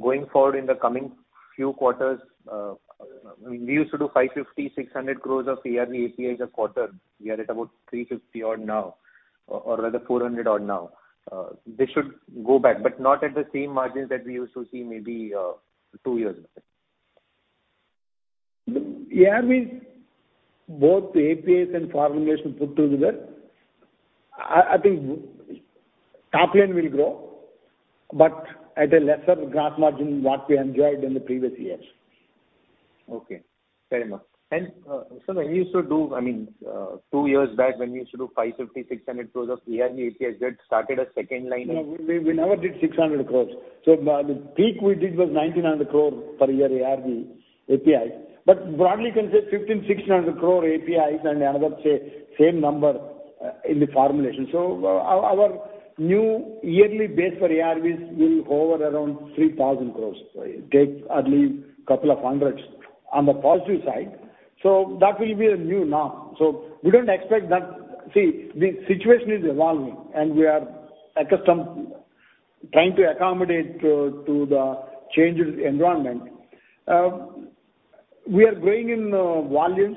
Speaker 17: going forward in the coming few quarters, we used to do 550 crore-600 crore of ARV APIs a quarter. We are at about 350 odd now, or rather 400 odd now. This should go back, but not at the same margins that we used to see maybe two years ago.
Speaker 3: ARV, both APIs and formulations put together, I think our topline will grow, but at a lesser gross margin than what we enjoyed in the previous years.
Speaker 17: Okay. Fair enough. So I mean, two years back, when you used to do 550 crore-600 crore of ARV APIs, you had started a second line of.
Speaker 3: No, we never did 600 crore. The peak we did was 1,900 crore per year ARV APIs. But broadly you can say 1,500 crore-1,600 crore APIs and another, say, same number in the formulation. Our new yearly base for ARVs will hover around 3,000 crore. It takes at least couple of hundreds on the positive side. That will be a new norm. We don't expect that. See, the situation is evolving, and we are accustomed trying to accommodate to the changed environment. We are growing in volumes,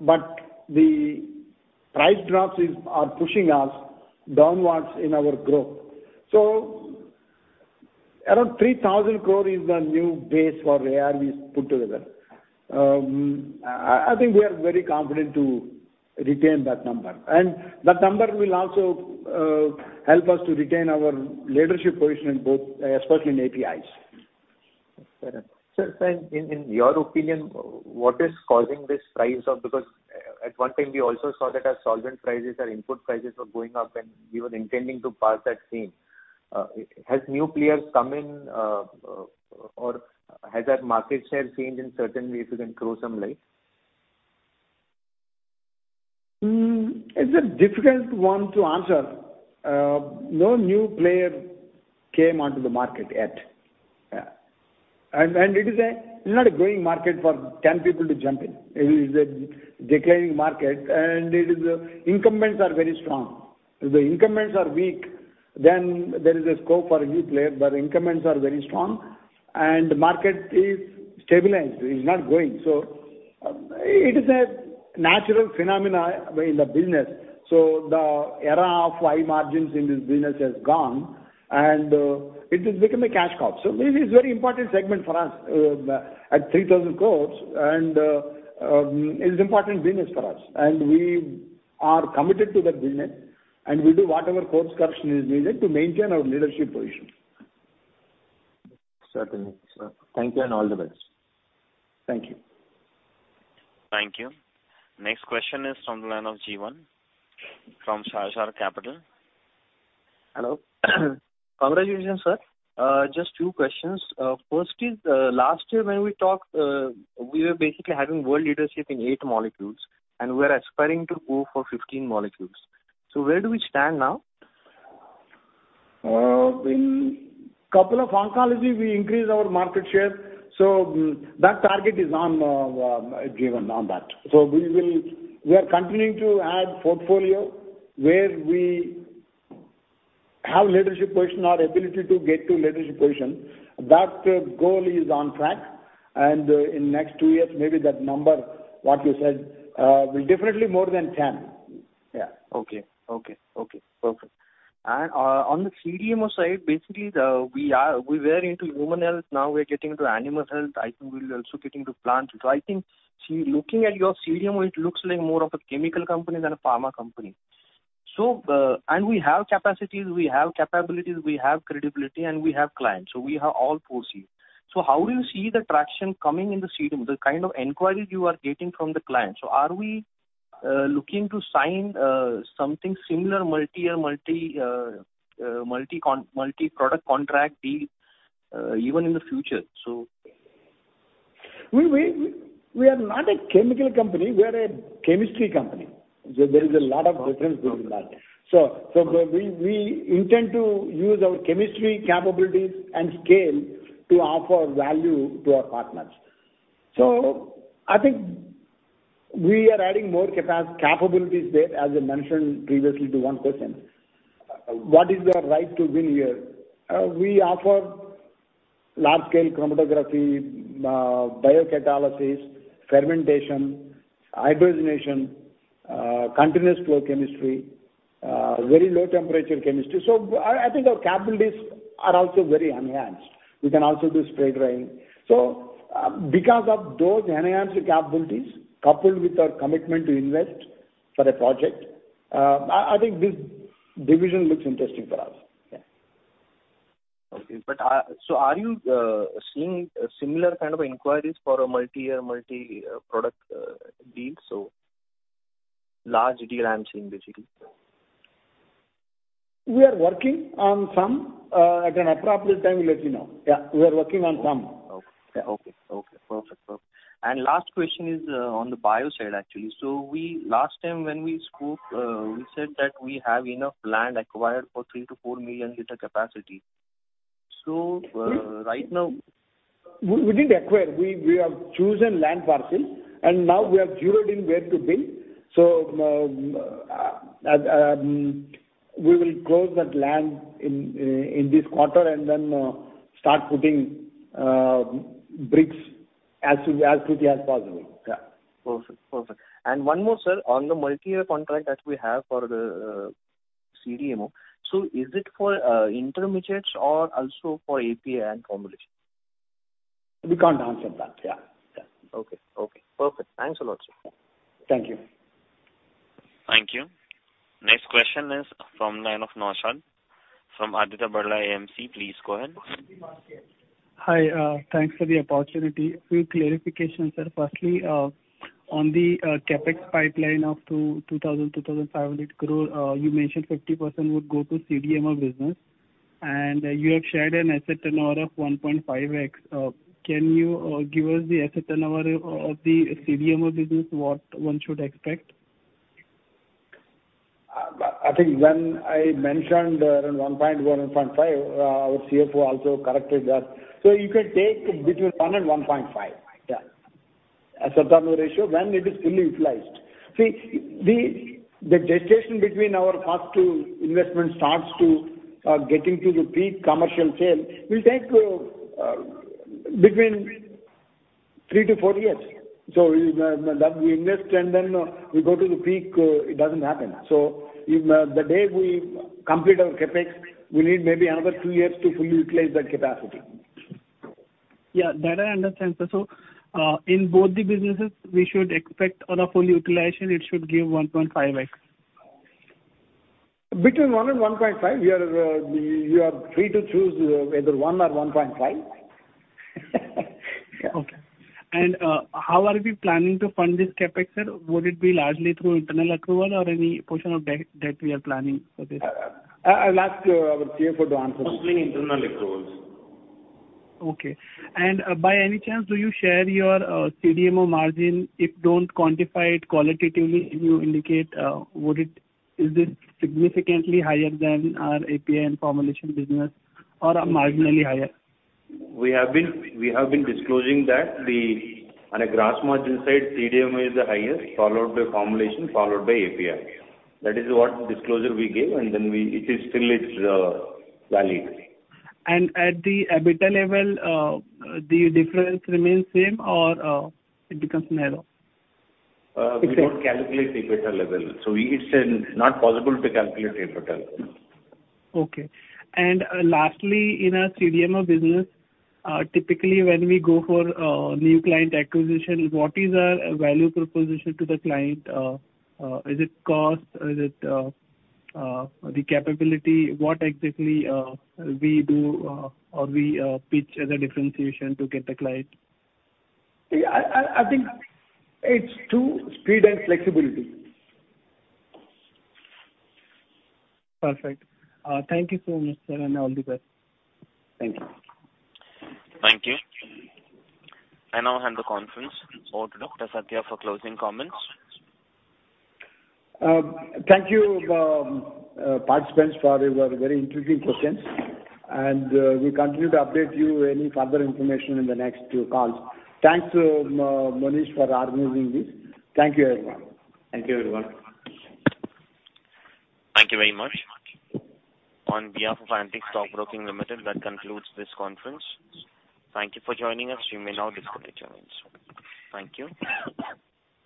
Speaker 3: but the price drops are pushing us downwards in our growth. Around 3,000 crore is the new base for ARVs put together. I think we are very confident to retain that number. That number will also help us to retain our leadership position in both, especially in APIs.
Speaker 17: Fair enough. In your opinion, what is causing this price of? Because at one time we also saw that our solvent prices, our input prices were going up and we were intending to pass that same. Has new players come in, or has that market share changed in certain ways? You can throw some light.
Speaker 3: It's a difficult one to answer. No new player came onto the market yet. It is not a growing market for 10 people to jump in. It is a declining market, and the incumbents are very strong. If the incumbents are weak, then there is a scope for a new player, but incumbents are very strong and market is stabilized, it's not growing. It is a natural phenomenon in the business. The era of high margins in this business has gone and it has become a cash cow. This is very important segment for us at 3,000 crore, it's important business for us, and we are committed to that business and we'll do whatever course correction is needed to maintain our leadership position.
Speaker 17: Certainly, sir. Thank you and all the best.
Speaker 3: Thank you.
Speaker 1: Thank you. Next question is from the line of Jeevan from Sharekhan Capital.
Speaker 18: Hello. Congratulations, sir. Just two questions. First is, last year when we talked, we were basically having world leadership in 8 molecules, and we're aspiring to go for 15 molecules. Where do we stand now?
Speaker 3: In couple of oncology we increased our market share, so that target is on, given on that. We are continuing to add portfolio where we have leadership position or ability to get to leadership position. That goal is on track. In next two years, maybe that number, what you said, will definitely more than ten. Yeah.
Speaker 18: Perfect. On the CDMO side, basically we were into human health, now we're getting into animal health. I think we're also getting into plant. Looking at your CDMO, it looks like more of a chemical company than a pharma company. We have capacities, we have capabilities, we have credibility, and we have clients. We have all four C. How do you see the traction coming in the CDMO, the kind of inquiries you are getting from the clients? Are we looking to sign something similar multi-product contract deal even in the future?
Speaker 3: We are not a chemical company, we are a chemistry company. There is a lot of difference between that. We intend to use our chemistry capabilities and scale to offer value to our partners. I think we are adding more capabilities there, as I mentioned previously to one person. What is our right to win here? We offer large scale chromatography, biocatalysis, fermentation, hybridization, continuous flow chemistry, very low temperature chemistry. I think our capabilities are also very enhanced. We can also do spray drying. Because of those enhanced capabilities, coupled with our commitment to invest for a project, I think this division looks interesting for us.
Speaker 18: Are you seeing similar kind of inquiries for a multi product deals or large deal I'm seeing basically?
Speaker 3: We are working on some, at an appropriate time we'll let you know. Yeah, we are working on some.
Speaker 18: Okay. Perfect. Last question is on the bio side, actually. Last time when we spoke, we said that we have enough land acquired for 3 million L-4 million L capacity. Right now-
Speaker 3: We didn't acquire. We have chosen land parcel, and now we are zeroed in where to build. We will close that land in this quarter and then start putting bricks as quickly as possible. Yeah.
Speaker 18: Perfect. One more, sir. On the multi-year contract that we have for the CDMO, so is it for intermediates or also for API and formulation?
Speaker 3: We can't answer that. Yeah. Yeah.
Speaker 18: Okay. Okay. Perfect. Thanks a lot, sir.
Speaker 3: Thank you.
Speaker 1: Thank you. Next question is from line of Naushad from Aditya Birla AMC. Please go ahead.
Speaker 19: Hi. Thanks for the opportunity. Few clarifications, sir. Firstly, on the CapEx pipeline of 2,000 crore-2,500 crore, you mentioned 50% would go to CDMO business. You have shared an asset turnover of 1.5x. Can you give us the asset turnover of the CDMO business, what one should expect?
Speaker 3: I think when I mentioned around 1.5, our CFO also corrected that. You can take between 1 and 1.5. Yeah. Asset turnover ratio when it is fully utilized. See, the gestation between our first two investment starts to getting to the peak commercial sale will take between three to four years. We invest and then we go to the peak, it doesn't happen. The day we complete our CapEx, we need maybe another two years to fully utilize that capacity.
Speaker 19: Yeah, that I understand, sir. In both the businesses, we should expect on a full utilization it should give 1.5x.
Speaker 3: Between 1 and 1.5. You are free to choose either 1 or 1.5. Yeah.
Speaker 19: Okay. How are we planning to fund this CapEx, sir? Would it be largely through internal accrual or any portion of debt we are planning for this?
Speaker 3: I'll ask our CFO to answer this.
Speaker 4: Mostly internal accruals.
Speaker 19: Okay. By any chance, do you share your CDMO margin? If don't quantify it qualitatively, can you indicate? Is this significantly higher than our API and formulation business or marginally higher?
Speaker 4: We have been disclosing that on a gross margin side, CDMO is the highest, followed by formulation, followed by API. That is the disclosure we gave, and it is still valid.
Speaker 19: At the EBITDA level, the difference remains same or, it becomes narrow?
Speaker 4: We don't calculate the EBITDA level, so it's not possible to calculate EBITDA level.
Speaker 19: Okay. Lastly, in our CDMO business, typically when we go for new client acquisition, what is our value proposition to the client? Is it cost? Is it the capability? What exactly we do, or we pitch as a differentiation to get the client?
Speaker 3: I think it's two: speed and flexibility.
Speaker 19: Perfect. Thank you so much, sir, and all the best.
Speaker 3: Thank you.
Speaker 1: Thank you. I now hand the conference over to Dr. Satya for closing comments.
Speaker 3: Thank you, participants, for your very intriguing questions, and we'll continue to update you any further information in the next calls. Thanks to Manish for organizing this. Thank you, everyone.
Speaker 4: Thank you, everyone.
Speaker 1: Thank you very much. On behalf of Antique Stock Broking Limited, that concludes this conference. Thank you for joining us. You may now disconnect your lines. Thank you.